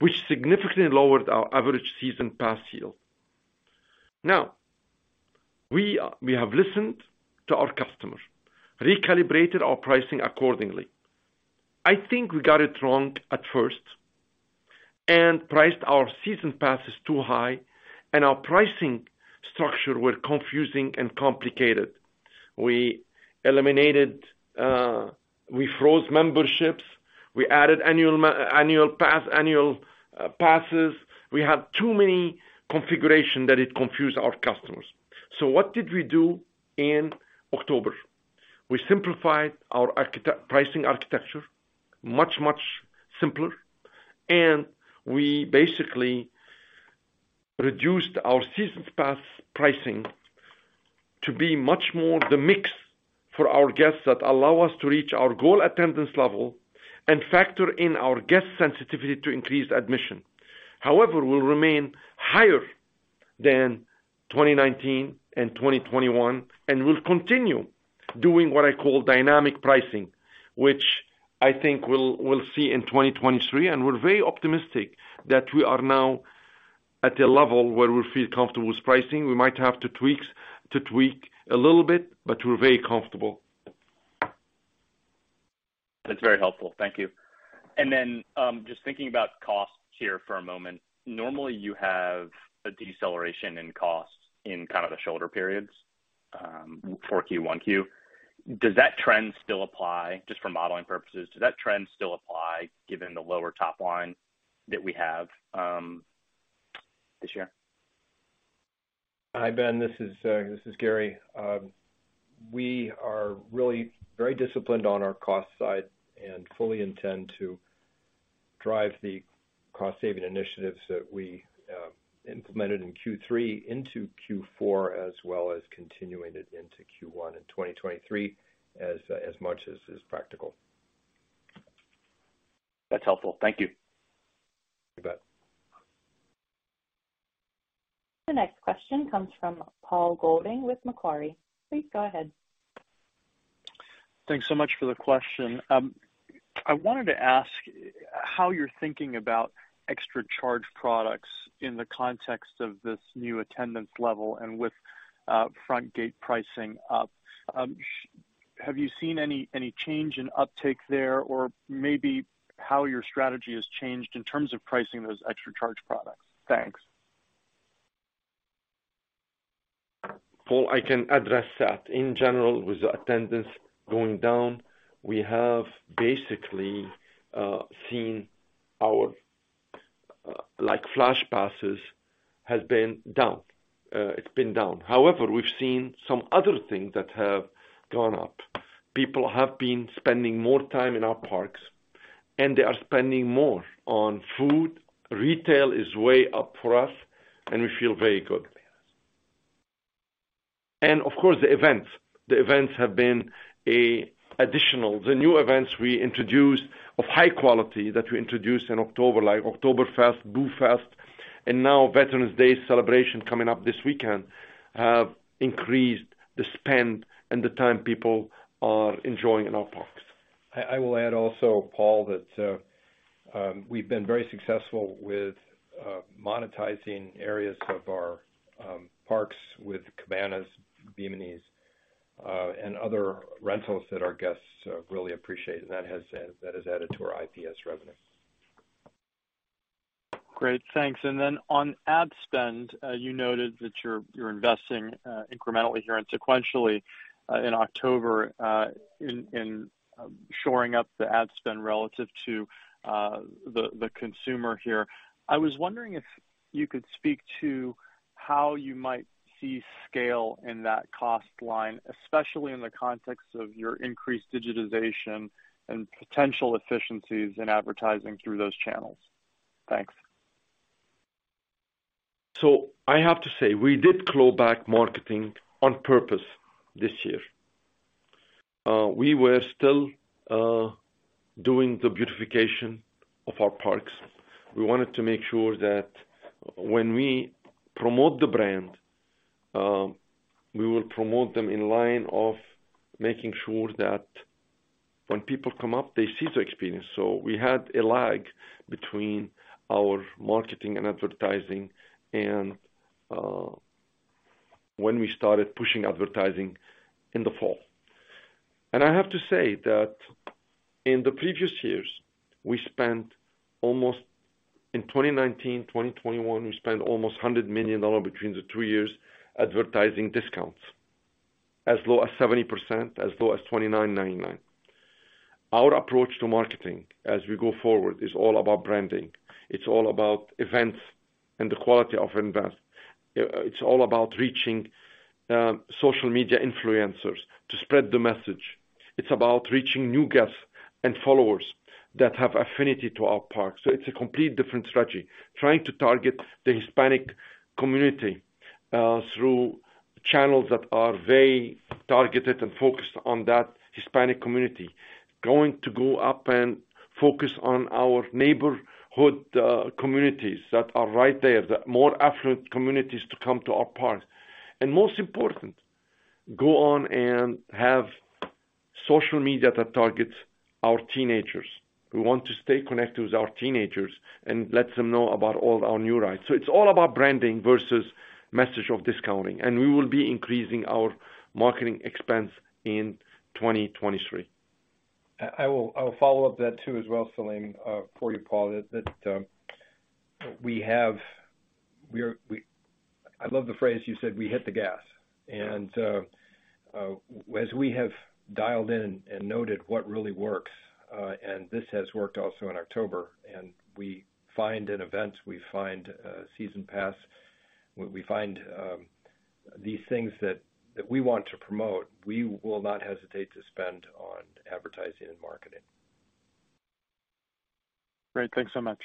which significantly lowered our average season pass yield. Now, we have listened to our customers, recalibrated our pricing accordingly. I think we got it wrong at first and priced our Season Passes too high, and our pricing structure were confusing and complicated. We eliminated we froze memberships. We added annual passes. We had too many configuration that it confused our customers. What did we do in October? We simplified our pricing architecture, much simpler, and we basically reduced our season pass pricing to be much more the mix for our guests that allow us to reach our goal attendance level and factor in our guest sensitivity to increased admission. However, we'll remain higher than 2019 and 2021 and we'll continue doing what I call dynamic pricing, which I think we'll see in 2023. We're very optimistic that we are now at a level where we feel comfortable with pricing. We might have to tweak a little bit, but we're very comfortable. That's very helpful. Thank you. Just thinking about costs here for a moment. Normally, you have a deceleration in costs in kind of the shoulder periods, 4Q, 1Q. Does that trend still apply just for modeling purposes? Does that trend still apply given the lower top line that we have, this year? Hi, Ben. This is Gary. We are really very disciplined on our cost side and fully intend to drive the cost-saving initiatives that we implemented in Q3 into Q4, as well as continuing it into Q1 in 2023 as much as is practical. That's helpful. Thank you. You bet. The next question comes from Paul Golding with Macquarie. Please go ahead. Thanks so much for the question. I wanted to ask how you're thinking about extra charge products in the context of this new attendance level and with front gate pricing up. Have you seen any change in uptake there? Or maybe how your strategy has changed in terms of pricing those extra charge products? Thanks. Paul, I can address that. In general, with the attendance going down, we have basically seen our, like, Flash Passes has been down. It's been down. However, we've seen some other things that have gone up. Guests have been spending more time in our parks, and they are spending more on food. Retail is way up for us, and we feel very good. Of course, the events. The events have been an additional. The new events we introduced of high quality in October, like Oktoberfest, Boo Fest, and now Veterans Day celebration coming up this weekend, have increased the spend and the time people are enjoying in our parks. I will add also, Paul, that we've been very successful with monetizing areas of our parks with cabanas, Biminis, and other rentals that our guests really appreciate, and that has added to our IPS revenue. Great. Thanks. On ad spend, you noted that you're investing incrementally here and sequentially in October in shoring up the ad spend relative to the consumer here. I was wondering if you could speak to how you might see scale in that cost line, especially in the context of your increased digitization and potential efficiencies in advertising through those channels. Thanks. I have to say, we did claw back marketing on purpose this year. We were still doing the beautification of our parks. We wanted to make sure that when we promote the brand, we will promote them in line of making sure that when people come up, they see the experience. We had a lag between our marketing and advertising and when we started pushing advertising in the fall. I have to say that in the previous years, we spent almost. In 2019, 2021, we spent almost $100 million between the two years advertising discounts as low as 70%, as low as $29.99. Our approach to marketing as we go forward is all about branding. It's all about events and the quality of investment. It's all about reaching social media influencers to spread the message. It's about reaching new guests and followers that have affinity to our parks. It's a complete different strategy, trying to target the Hispanic community through channels that are very targeted and focused on that Hispanic community. Going to go out and focus on our neighborhood communities that are right there, the more affluent communities to come to our parks. Most important, go on and have social media that targets our teenagers. We want to stay connected with our teenagers and let them know about all our new rides. It's all about branding versus messaging of discounting. We will be increasing our marketing expense in 2023. I will follow up that too as well, Selim, for you, Paul. I love the phrase you said, "We hit the gas." As we have dialed in and noted what really works, and this has worked also in October, and we find in events, season pass, these things that we want to promote, we will not hesitate to spend on advertising and marketing. Great. Thanks so much.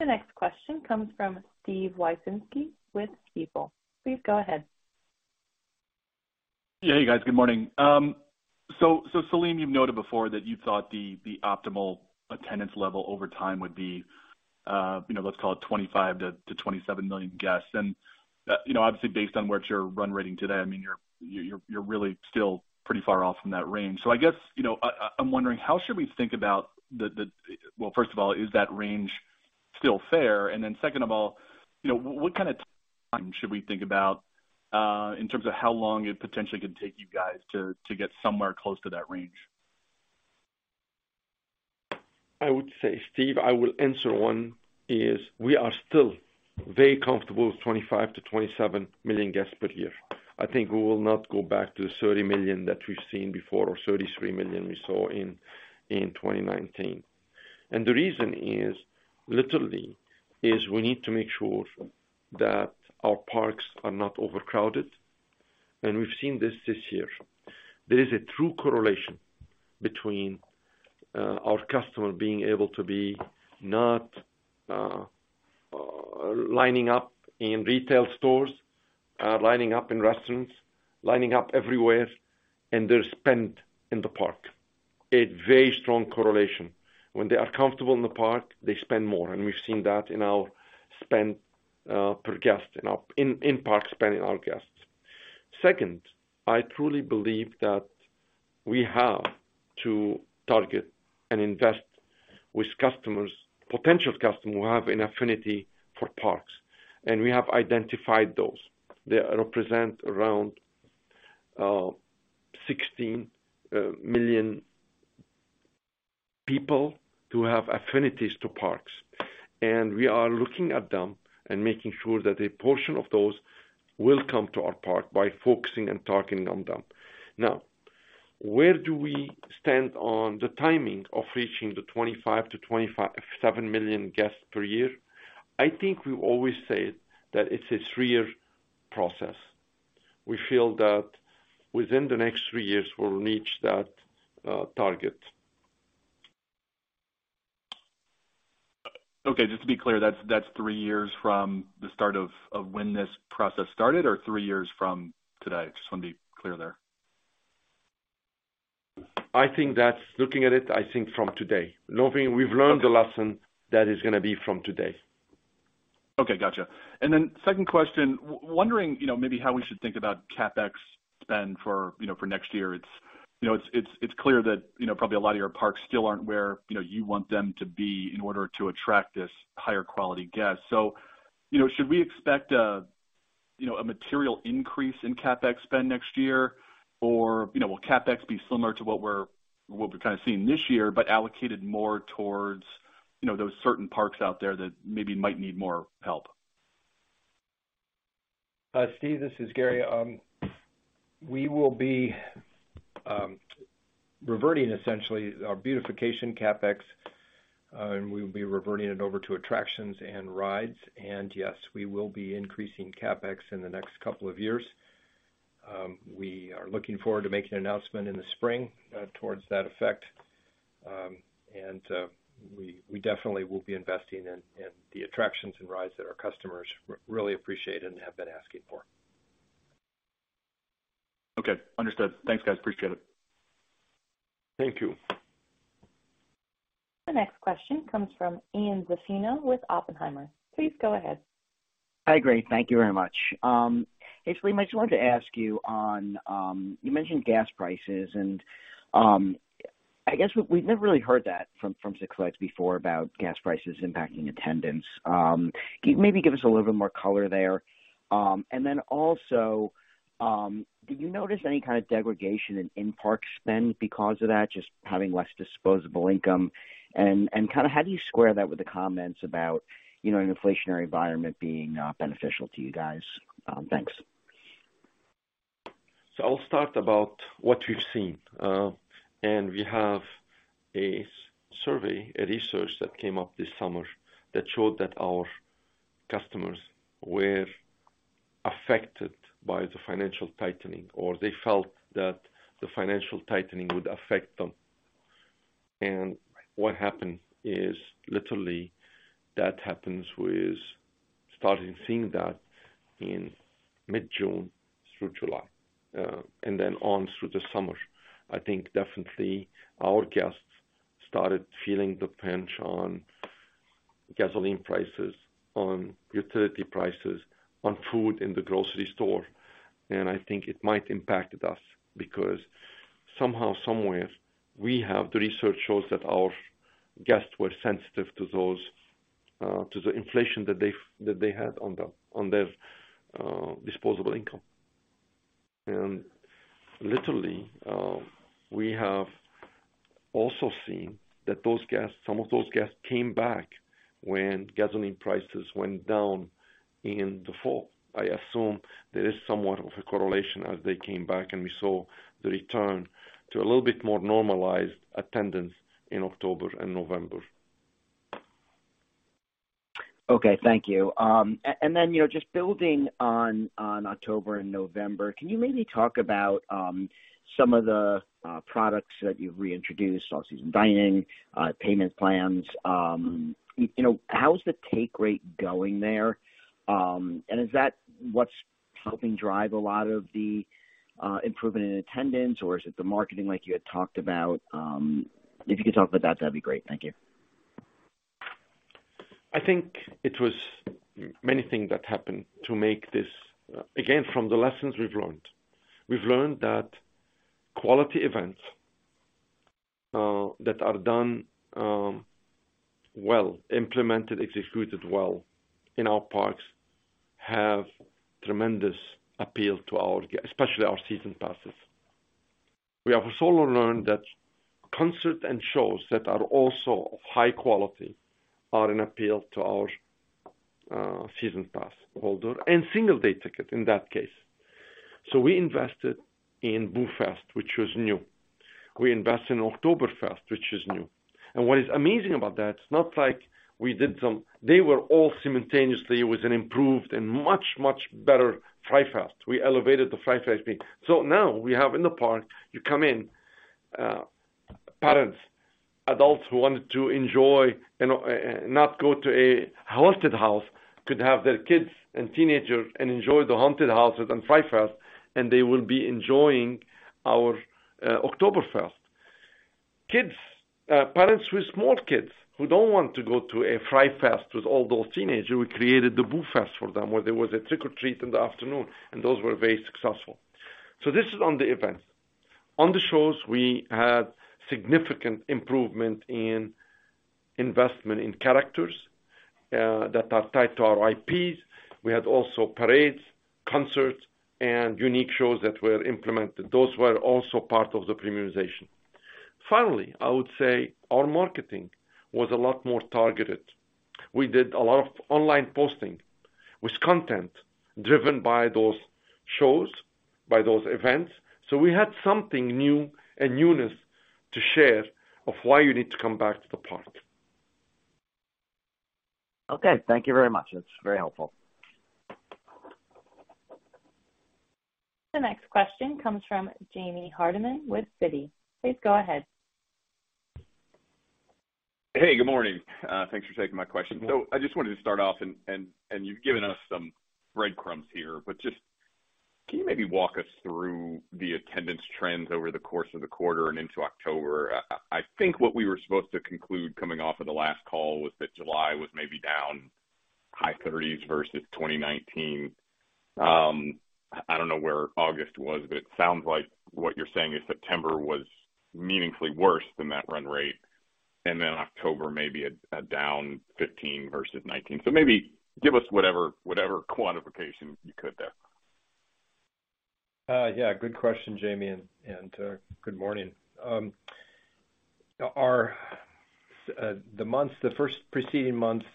The next question comes from Steve Wieczynski with Stifel. Please go ahead. Yeah. Hey, guys, good morning. Selim, you've noted before that you thought the optimal attendance level over time would be, you know, let's call it 25-27 million guests. You know, obviously based on what's your run rate today, I mean, you're really still pretty far off from that range. I guess, you know, I'm wondering how should we think about the. Well, first of all, is that range still fair? Then second of all, you know, what kinda timeline should we think about in terms of how long it potentially could take you guys to get somewhere close to that range? I would say, Steve, I will answer one, is we are still very comfortable with 25-27 million guests per year. I think we will not go back to the 30 million that we've seen before or 33 million we saw in 2019. The reason is, literally, is we need to make sure that our parks are not overcrowded. We've seen this year. There is a true correlation between our customer being able to be not lining up in retail stores, lining up in restaurants, lining up everywhere, and their spend in the park. A very strong correlation. When they are comfortable in the park, they spend more, and we've seen that in our spend per guest in our in-park spend in our guests. Second, I truly believe that we have to target and invest with customers, potential customers who have an affinity for parks, and we have identified those. They represent around 16 million people who have affinities to parks, and we are looking at them and making sure that a portion of those will come to our park by focusing and targeting on them. Now, where do we stand on the timing of reaching the 25-27 million guests per year? I think we've always said that it's a three-year process. We feel that within the next three years, we'll reach that target. Okay, just to be clear, that's three years from the start of when this process started or three years from today? Just wanna be clear there. I think that's looking at it, I think from today. Knowing we've learned the lesson, that is gonna be from today. Okay, gotcha. Second question, wondering, you know, maybe how we should think about CapEx spend for, you know, for next year. It's, you know, clear that, you know, probably a lot of your parks still aren't where, you know, you want them to be in order to attract this higher quality guest. You know, should we expect a, you know, material increase in CapEx spend next year? Or, you know, will CapEx be similar to what we're kinda seeing this year, but allocated more towards, you know, those certain parks out there that maybe might need more help? Steve, this is Gary. We will be reverting essentially our beautification CapEx, and we'll be reverting it over to attractions and rides. Yes, we will be increasing CapEx in the next couple of years. We are looking forward to making an announcement in the spring, towards that effect. We definitely will be investing in the attractions and rides that our customers really appreciate and have been asking for. Okay. Understood. Thanks, guys. Appreciate it. Thank you. The next question comes from Ian Zaffino with Oppenheimer. Please go ahead. Hi, great. Thank you very much. Hey, Selim, I just wanted to ask you on, you mentioned gas prices, and I guess we've never really heard that from Six Flags before about gas prices impacting attendance. Can you maybe give us a little bit more color there? Then also, did you notice any kind of degradation in in-park spend because of that, just having less disposable income? Kinda how do you square that with the comments about, you know, an inflationary environment being beneficial to you guys? Thanks. I'll start about what we've seen. We have a survey, research that came up this summer that showed that our customers were affected by the financial tightening, or they felt that the financial tightening would affect them. What happened is literally that happens with starting seeing that in mid-June through July, and then on through the summer. I think definitely our guests started feeling the pinch on gasoline prices, on utility prices, on food in the grocery store. I think it might impacted us because somehow, somewhere, we have the research shows that our guests were sensitive to those, to the inflation that they had on their disposable income. Literally, we have also seen that those guests, some of those guests came back when gasoline prices went down in the fall. I assume there is somewhat of a correlation as they came back, and we saw the return to a little bit more normalized attendance in October and November. Okay. Thank you. You know, just building on October and November, can you maybe talk about some of the products that you've reintroduced, all-season dining, payment plans, you know, how is the take rate going there? Is that what's helping drive a lot of the improvement in attendance or is it the marketing like you had talked about? If you could talk about that'd be great. Thank you. I think it was many things that happened to make this. Again, from the lessons we've learned. We've learned that quality events that are done well, implemented, executed well in our parks have tremendous appeal to our guests, especially our Season Passes. We have also learned that concerts and shows that are also of high quality are an appeal to our season pass holder and single day ticket in that case. We invested in Boo Fest, which was new. We invest in Oktoberfest, which is new. What is amazing about that, it's not like we did. They were all simultaneously with an improved and much, much better Fright Fest. We elevated the Fright Fest. Now we have in the park, you come in, parents, adults who wanted to enjoy and not go to a haunted house, could have their kids and teenagers and enjoy the haunted houses in Fright Fest, and they will be enjoying our Oktoberfest. Kids, parents with small kids who don't want to go to a Fright Fest with all those teenagers, we created the Boo Fest for them, where there was a trick or treat in the afternoon, and those were very successful. This is on the events. On the shows, we had significant improvement in investment in characters that are tied to our IPs. We had also parades, concerts, and unique shows that were implemented. Those were also part of the premiumization. Finally, I would say our marketing was a lot more targeted. We did a lot of online posting with content driven by those shows, by those events. We had something new and newness to share of why you need to come back to the park. Okay. Thank you very much. That's very helpful. The next question comes from James Hardiman with Citi. Please go ahead. Hey, good morning. Thanks for taking my question. Mm-hmm. I just wanted to start off, and you've given us some breadcrumbs here, but just can you maybe walk us through the attendance trends over the course of the quarter and into October? I think what we were supposed to conclude coming off of the last call was that July was maybe down high 30s% versus 2019. I don't know where August was, but it sounds like what you're saying is September was meaningfully worse than that run rate. Then October maybe a down 15% versus 2019. Maybe give us whatever quantification you could there. Yeah, good question, Jamie, and good morning. Our first preceding months,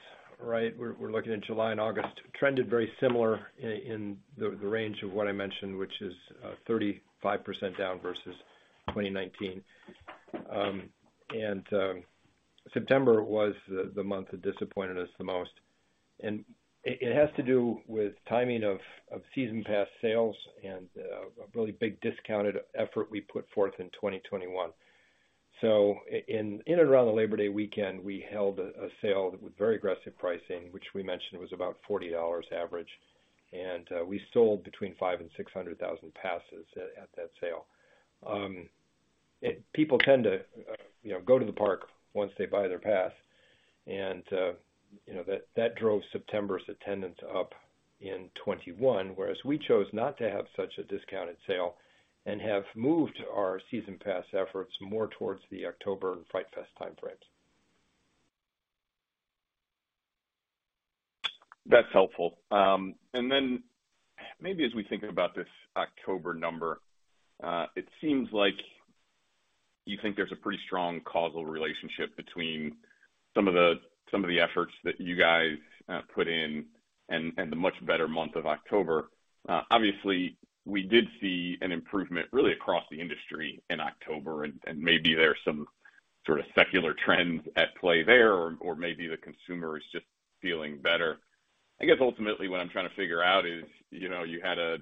right, we're looking at July and August, trended very similar in the range of what I mentioned, which is 35% down versus 2019. September was the month that disappointed us the most. It has to do with timing of season pass sales and a really big discounted effort we put forth in 2021. In and around the Labor Day weekend, we held a sale with very aggressive pricing, which we mentioned was about $40 average. We sold between 500,000 and 600,000 passes at that sale. People tend to, you know, go to the park once they buy their pass. You know, that drove September's attendance up in 2021, whereas we chose not to have such a discounted sale and have moved our season pass efforts more towards the October and Fright Fest time frames. That's helpful. Maybe as we think about this October number, it seems like you think there's a pretty strong causal relationship between some of the efforts that you guys put in and the much better month of October. Obviously, we did see an improvement really across the industry in October, and maybe there's some sort of secular trends at play there or maybe the consumer is just feeling better. I guess ultimately, what I'm trying to figure out is, you know, you had a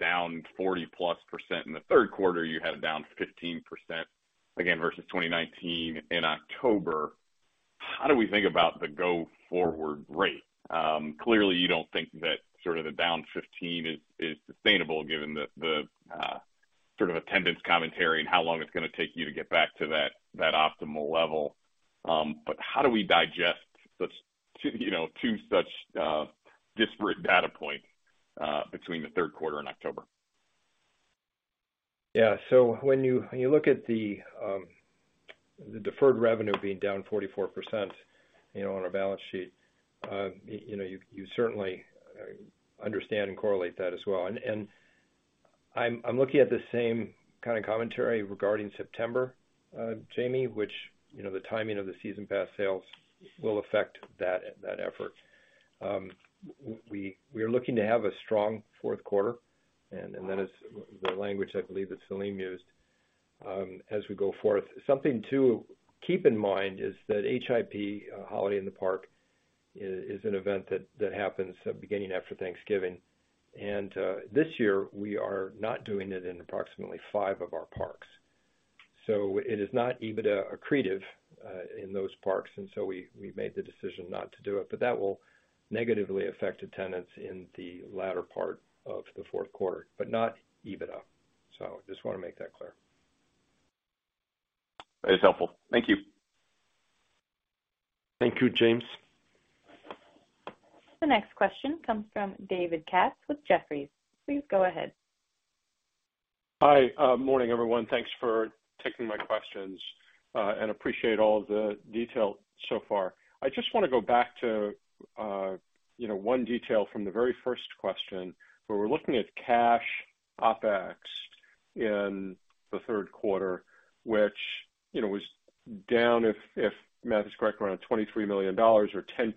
down +40% in the third quarter, you had a down 15%, again versus 2019 in October. How do we think about the go forward rate? Clearly, you don't think that sort of down 15% is sustainable given the sort of attendance commentary and how long it's gonna take you to get back to that optimal level. How do we digest the two, you know, two such disparate data points between the third quarter and October? Yeah. When you look at the deferred revenue being down 44%, you know, on our balance sheet, you know, you certainly understand and correlate that as well. I'm looking at the same kind of commentary regarding September, James, which, you know, the timing of the season pass sales will affect that effort. We are looking to have a strong fourth quarter, and that is the language I believe that Selim used as we go forth. Something to keep in mind is that HIP, Holiday in the Park, is an event that happens beginning after Thanksgiving. This year, we are not doing it in approximately five of our parks. It is not EBITDA accretive in those parks, and so we made the decision not to do it. That will negatively affect attendance in the latter part of the fourth quarter, but not EBITDA. Just wanna make that clear. That is helpful. Thank you. Thank you, James. The next question comes from David Katz with Jefferies. Please go ahead. Hi. Morning, everyone. Thanks for taking my questions, and appreciate all the detail so far. I just wanna go back to, you know, one detail from the very first question, where we're looking at cash OpEx in the third quarter, which, you know, was down if math is correct around $23 million or 10%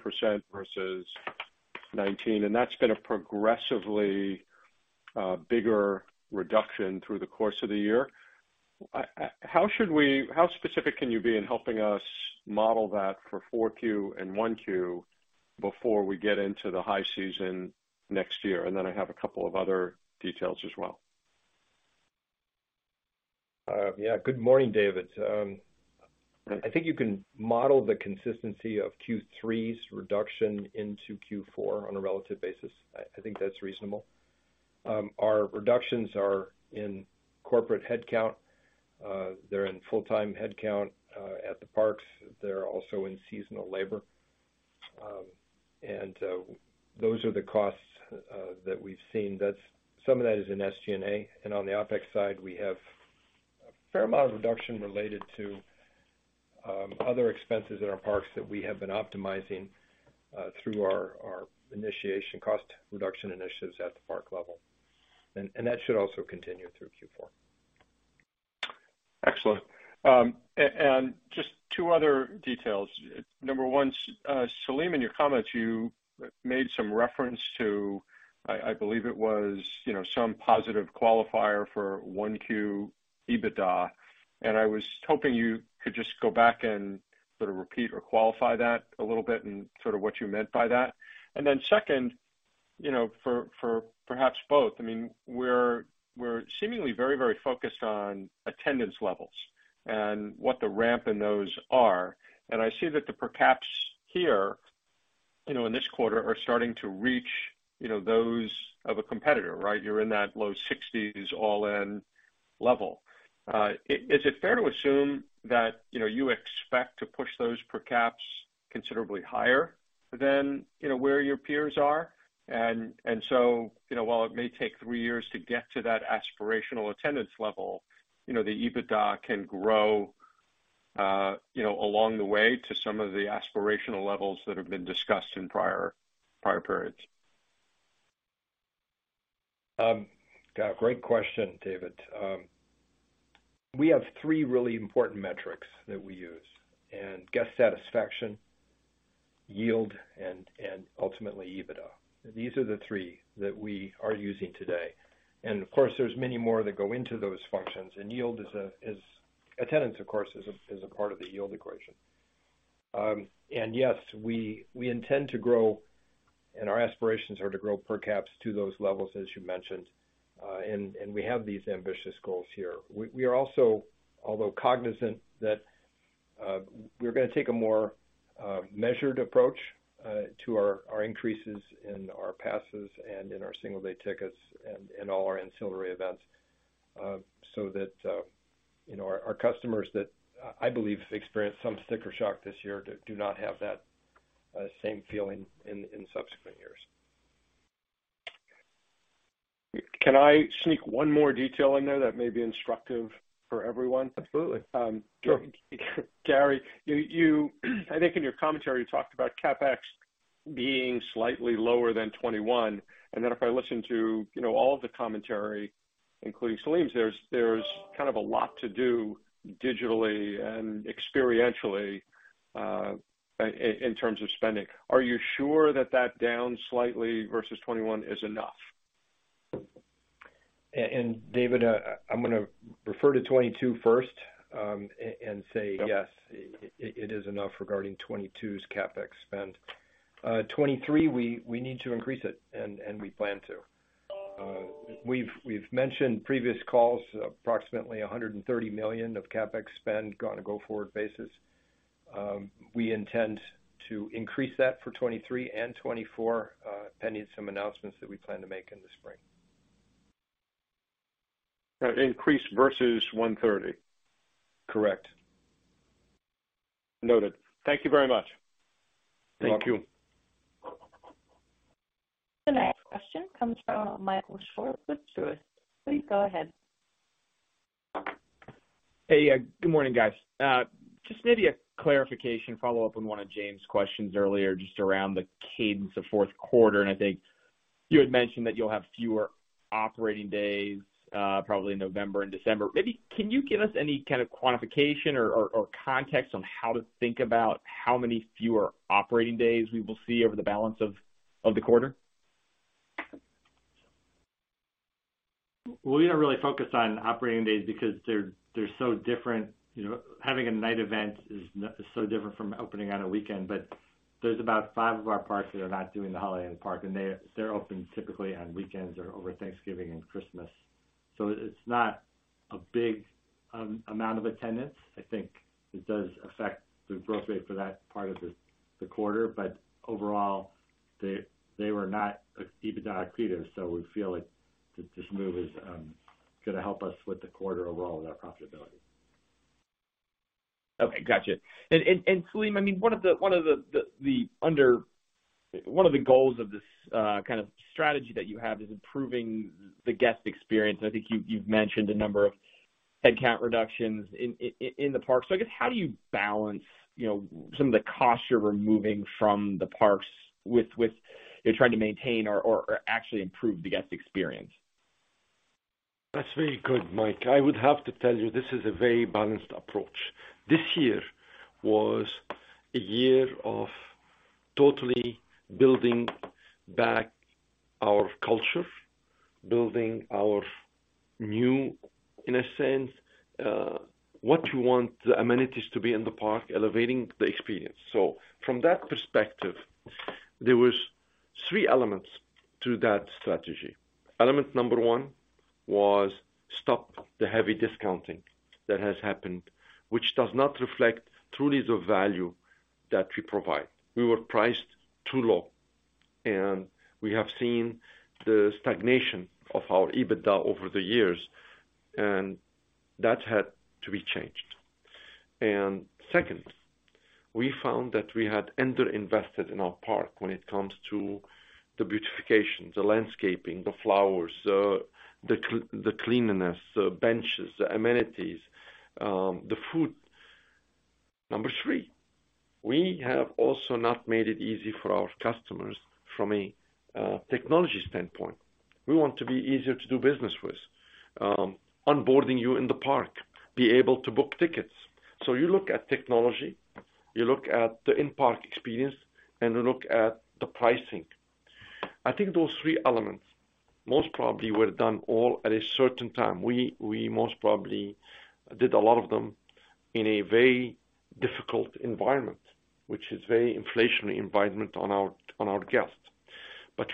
versus 2019, and that's been a progressively bigger reduction through the course of the year. How specific can you be in helping us model that for 4Q and 1Q before we get into the high season next year? Then I have a couple of other details as well. Yeah. Good morning, David. I think you can model the consistency of Q3's reduction into Q4 on a relative basis. I think that's reasonable. Our reductions are in corporate headcount. They're in full-time headcount at the parks. They're also in seasonal labor. Those are the costs that we've seen. Some of that is in SG&A. On the OpEx side, we have a fair amount of reduction related to other expenses at our parks that we have been optimizing through our initiation cost reduction initiatives at the park level. That should also continue through Q4. Excellent. Just two other details. Number 1, Selim, in your comments, you made some reference to, I believe it was, you know, some positive qualifier for 1Q EBITDA, and I was hoping you could just go back and sort of repeat or qualify that a little bit and sort of what you meant by that. Second, you know, for perhaps both, I mean, we're seemingly very focused on attendance levels and what the ramp in those are. I see that the per caps here, you know, in this quarter are starting to reach, you know, those of a competitor, right? You're in that low 60s all-in level. Is it fair to assume that, you know, you expect to push those per caps considerably higher than, you know, where your peers are? While it may take three years to get to that aspirational attendance level, you know, the EBITDA can grow, you know, along the way to some of the aspirational levels that have been discussed in prior periods. Great question, David. We have three really important metrics that we use and guest satisfaction, yield, and ultimately EBITDA. These are the three that we are using today. Of course, there's many more that go into those functions, and yield is. Attendance, of course, is a part of the yield equation. Yes, we intend to grow, and our aspirations are to grow per caps to those levels, as you mentioned. We have these ambitious goals here. We are also, although cognizant that, we're gonna take a more measured approach to our increases in our passes and in our single-day tickets and in all our ancillary events, so that you know, our customers that I believe experienced some sticker shock this year do not have that same feeling in subsequent years. Can I sneak one more detail in there that may be instructive for everyone? Absolutely. Sure. Gary, you I think in your commentary, you talked about CapEx being slightly lower than 2021. Then if I listen to, you know, all of the commentary, including Selim's, there's kind of a lot to do digitally and experientially in terms of spending. Are you sure that down slightly versus 2021 is enough? David, I'm gonna refer to 2022 first, and say yes, it is enough regarding 2022's CapEx spend. 2023, we need to increase it and we plan to. We've mentioned previous calls, approximately $130 million of CapEx spend on a go-forward basis. We intend to increase that for 2023 and 2024, pending some announcements that we plan to make in the spring. Increase versus 130? Correct. Noted. Thank you very much. Thank you. The next question comes from Michael Swartz with Truist. Please go ahead. Hey, good morning, guys. Just maybe a clarification follow up on one of James' questions earlier, just around the cadence of fourth quarter? I think you had mentioned that you'll have fewer operating days, probably November and December. Maybe can you give us any kind of quantification or context on how to think about how many fewer operating days we will see over the balance of the quarter? Well, we don't really focus on operating days because they're so different. You know, having a night event is so different from opening on a weekend. There's about five of our parks that are not doing the Holiday in the Park, and they're open typically on weekends or over Thanksgiving and Christmas. It's not a big amount of attendance. I think it does affect the growth rate for that part of the quarter. Overall, they were not EBITDA accretive, so we feel like this move is gonna help us with the quarter overall and our profitability. Okay. Got you. Selim, I mean, one of the goals of this kind of strategy that you have is improving the guest experience. I think you've mentioned a number of headcount reductions in the park. I guess, how do you balance, you know, some of the costs you're removing from the parks with what you're trying to maintain or actually improve the guest experience? That's very good, Mike. I would have to tell you, this is a very balanced approach. This year was a year of totally building back our culture, building our new, in a sense, what you want the amenities to be in the park, elevating the experience. From that perspective, there was three elements to that strategy. Element number one was stop the heavy discounting that has happened, which does not reflect truly the value that we provide. We were priced too low, and we have seen the stagnation of our EBITDA over the years, and that had to be changed. Second, we found that we had under-invested in our park when it comes to the beautification, the landscaping, the flowers, the cleanliness, the benches, the amenities, the food. Number three, we have also not made it easy for our customers from a technology standpoint. We want to be easier to do business with. Onboarding you in the park, be able to book tickets. You look at technology, you look at the in-park experience, and you look at the pricing. I think those three elements most probably were done all at a certain time. We most probably did a lot of them in a very difficult environment, which is very inflationary environment on our guests.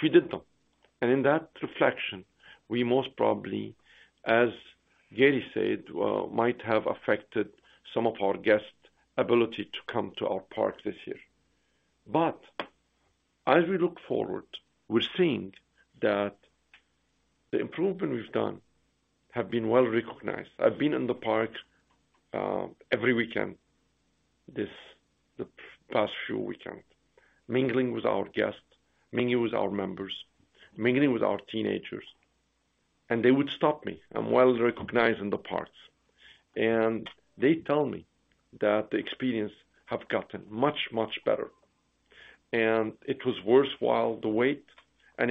We did them. In that reflection, we most probably, as Gary said, might have affected some of our guests' ability to come to our park this year. As we look forward, we're seeing that the improvement we've done have been well-recognized. I've been in the park every weekend the past few weekends, mingling with our guests, mingling with our members, mingling with our teenagers, and they would stop me. I'm well-recognized in the parks, and they tell me that the experience have gotten much, much better.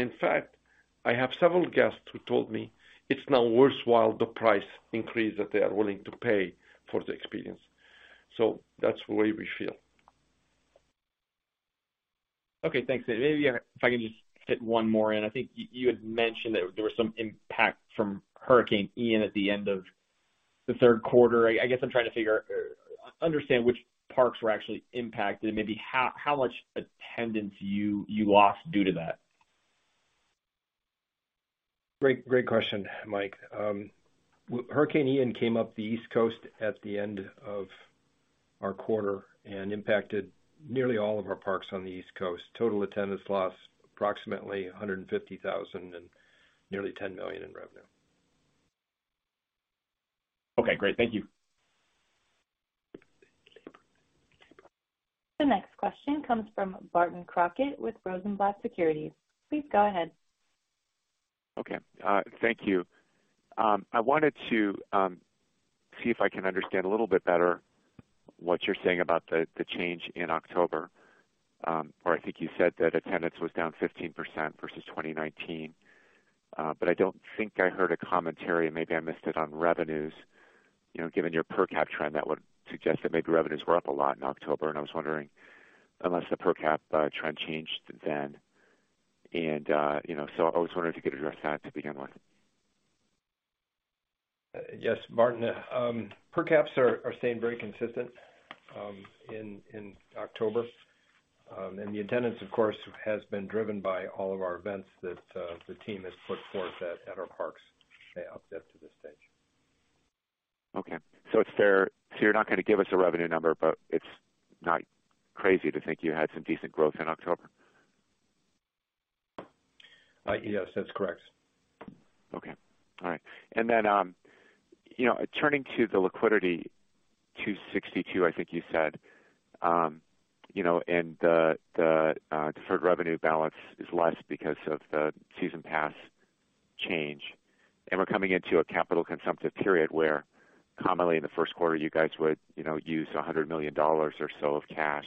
In fact, I have several guests who told me it's now worthwhile the price increase that they are willing to pay for the experience. That's the way we feel. Okay, thanks. Maybe if I can just fit one more in. I think you had mentioned that there was some impact from Hurricane Ian at the end of the third quarter. I guess I'm trying to figure out, understand which parks were actually impacted and maybe how much attendance you lost due to that. Great question, Mike. Hurricane Ian came up the East Coast at the end of our quarter and impacted nearly all of our parks on the East Coast. Total attendance loss, approximately 150,000 and nearly $10 million in revenue. Okay, great. Thank you. The next question comes from Barton Crockett with Rosenblatt Securities. Please go ahead. Okay. Thank you. I wanted to see if I can understand a little bit better what you're saying about the change in October. Where I think you said that attendance was down 15% versus 2019. But I don't think I heard a commentary, and maybe I missed it on revenues. You know, given your per cap trend, that would suggest that maybe revenues were up a lot in October, and I was wondering, unless the per cap trend changed then. You know, I was wondering if you could address that to begin with. Yes, Martin. Per capita are staying very consistent in October. The attendance, of course, has been driven by all of our events that the team has put forth at our parks up to this stage. Okay. You're not gonna give us a revenue number, but it's not crazy to think you had some decent growth in October. Yes, that's correct. Okay. All right. Then, you know, turning to the liquidity, $262 million, I think you said, you know, and the deferred revenue balance is less because of the season pass change. We're coming into a capital-consumptive period where commonly in the first quarter, you guys would, you know, use $100 million or so of cash.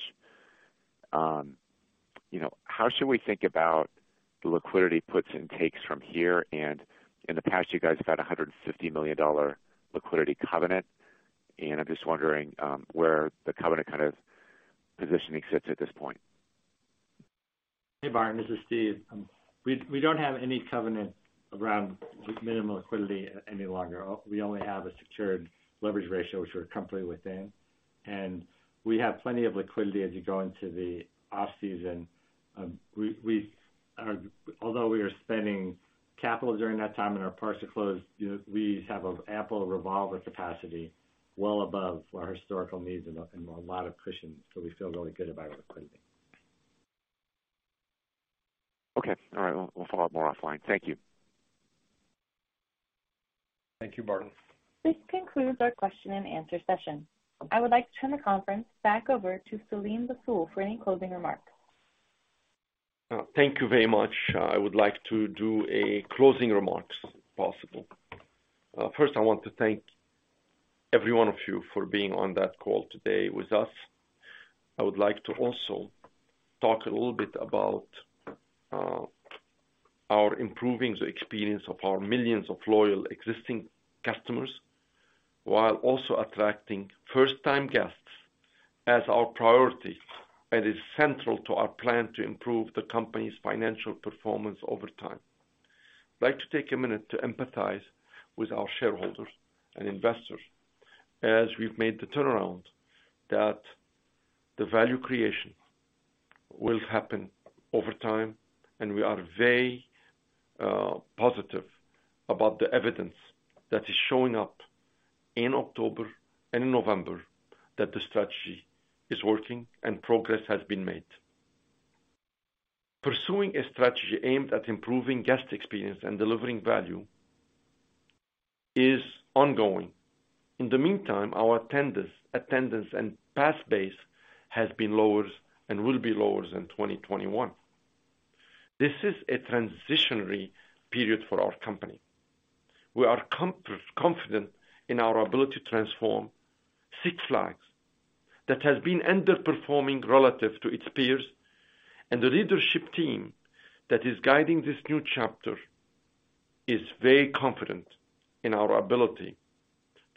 You know, how should we think about the liquidity puts and takes from here? In the past, you guys have had a $150 million liquidity covenant, and I'm just wondering, where the covenant kind of positioning sits at this point. Hey, Barton, this is Steve. We don't have any covenant around minimum liquidity any longer. We only have a secured leverage ratio which we're comfortably within, and we have plenty of liquidity as you go into the off-season. Although we are spending capital during that time and our parks are closed, you know, we have an ample revolver capacity well above our historical needs and a lot of cushion, so we feel really good about our liquidity. Okay. All right. We'll follow up more offline. Thank you. Thank you, Barton. This concludes our question and answer session. I would like to turn the conference back over to Selim Bassoul for any closing remarks. Thank you very much. I would like to do a closing remarks, if possible. First, I want to thank every one of you for being on that call today with us. I would like to also talk a little bit about our improving the experience of our millions of loyal existing customers while also attracting first time guests as our priority that is central to our plan to improve the company's financial performance over time. I'd like to take a minute to empathize with our shareholders and investors as we've made the turnaround that the value creation will happen over time, and we are very positive about the evidence that is showing up in October and November that the strategy is working and progress has been made. Pursuing a strategy aimed at improving guest experience and delivering value is ongoing. In the meantime, our attendance and pass base has been lower and will be lower than 2021. This is a transitional period for our company. We are confident in our ability to transform Six Flags that has been underperforming relative to its peers, and the leadership team that is guiding this new chapter is very confident in our ability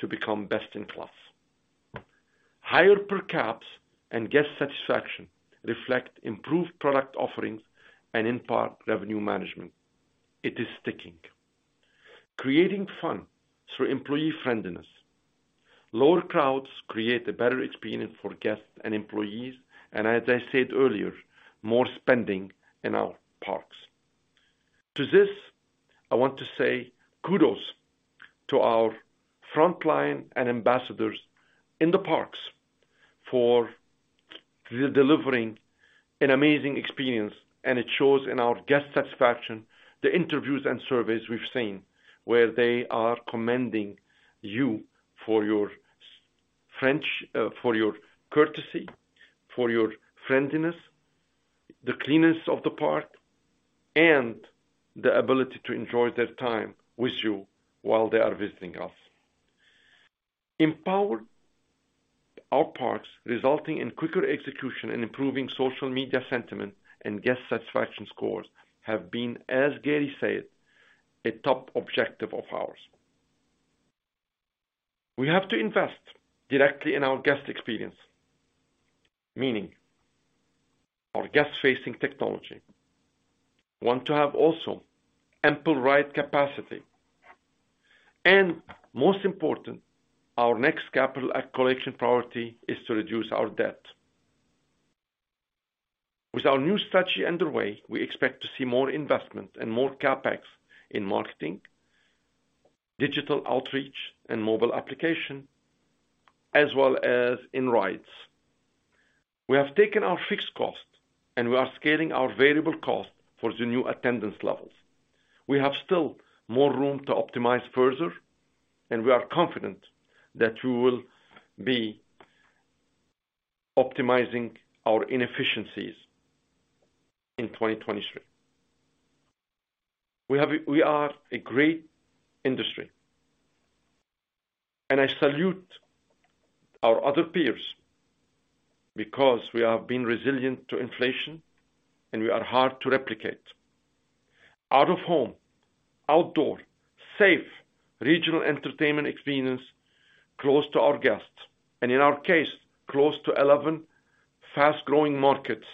to become best in class. Higher per caps and guest satisfaction reflect improved product offerings and in part, revenue management. It is sticking. Creating fun through employee friendliness. Lower crowds create a better experience for guests and employees, and as I said earlier, more spending in our parks. To this, I want to say kudos to our frontline and ambassadors in the parks for delivering an amazing experience, and it shows in our guest satisfaction, the interviews and surveys we've seen, where they are commending you for your friendliness, for your courtesy, for your friendliness, the cleanliness of the park, and the ability to enjoy their time with you while they are visiting us. Empowering our parks, resulting in quicker execution and improving social media sentiment and guest satisfaction scores have been, as Gary said, a top objective of ours. We have to invest directly in our guest experience, meaning our guest-facing technology. We want to have also ample ride capacity. Most important, our next capital allocation priority is to reduce our debt. With our new strategy underway, we expect to see more investment and more CapEx in marketing, digital outreach and mobile application, as well as in rides. We have taken our fixed cost, and we are scaling our variable cost for the new attendance levels. We have still more room to optimize further, and we are confident that we will be optimizing our inefficiencies in 2023. We are a great industry, and I salute our other peers because we have been resilient to inflation, and we are hard to replicate. Out of home, outdoor, safe, regional entertainment experience close to our guests, and in our case, close to 11 fast-growing markets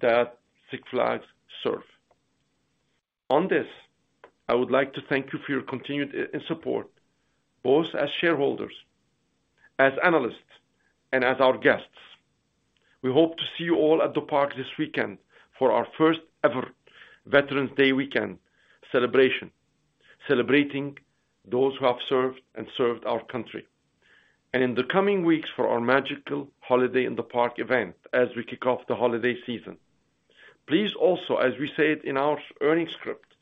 that Six Flags serve. On this, I would like to thank you for your continued support, both as shareholders, as analysts, and as our guests. We hope to see you all at the park this weekend for our first ever Veterans Day weekend celebration, celebrating those who have served our country. In the coming weeks for our magical Holiday in the Park event as we kick off the holiday season. Please also, as we said in our earnings script,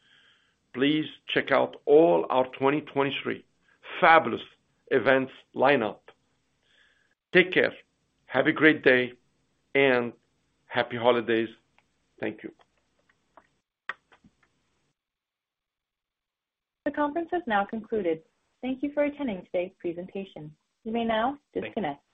please check out all our 2023 fabulous events lineup. Take care. Have a great day, and happy holidays. Thank you. The conference has now concluded. Thank you for attending today's presentation. You may now disconnect. Thank you.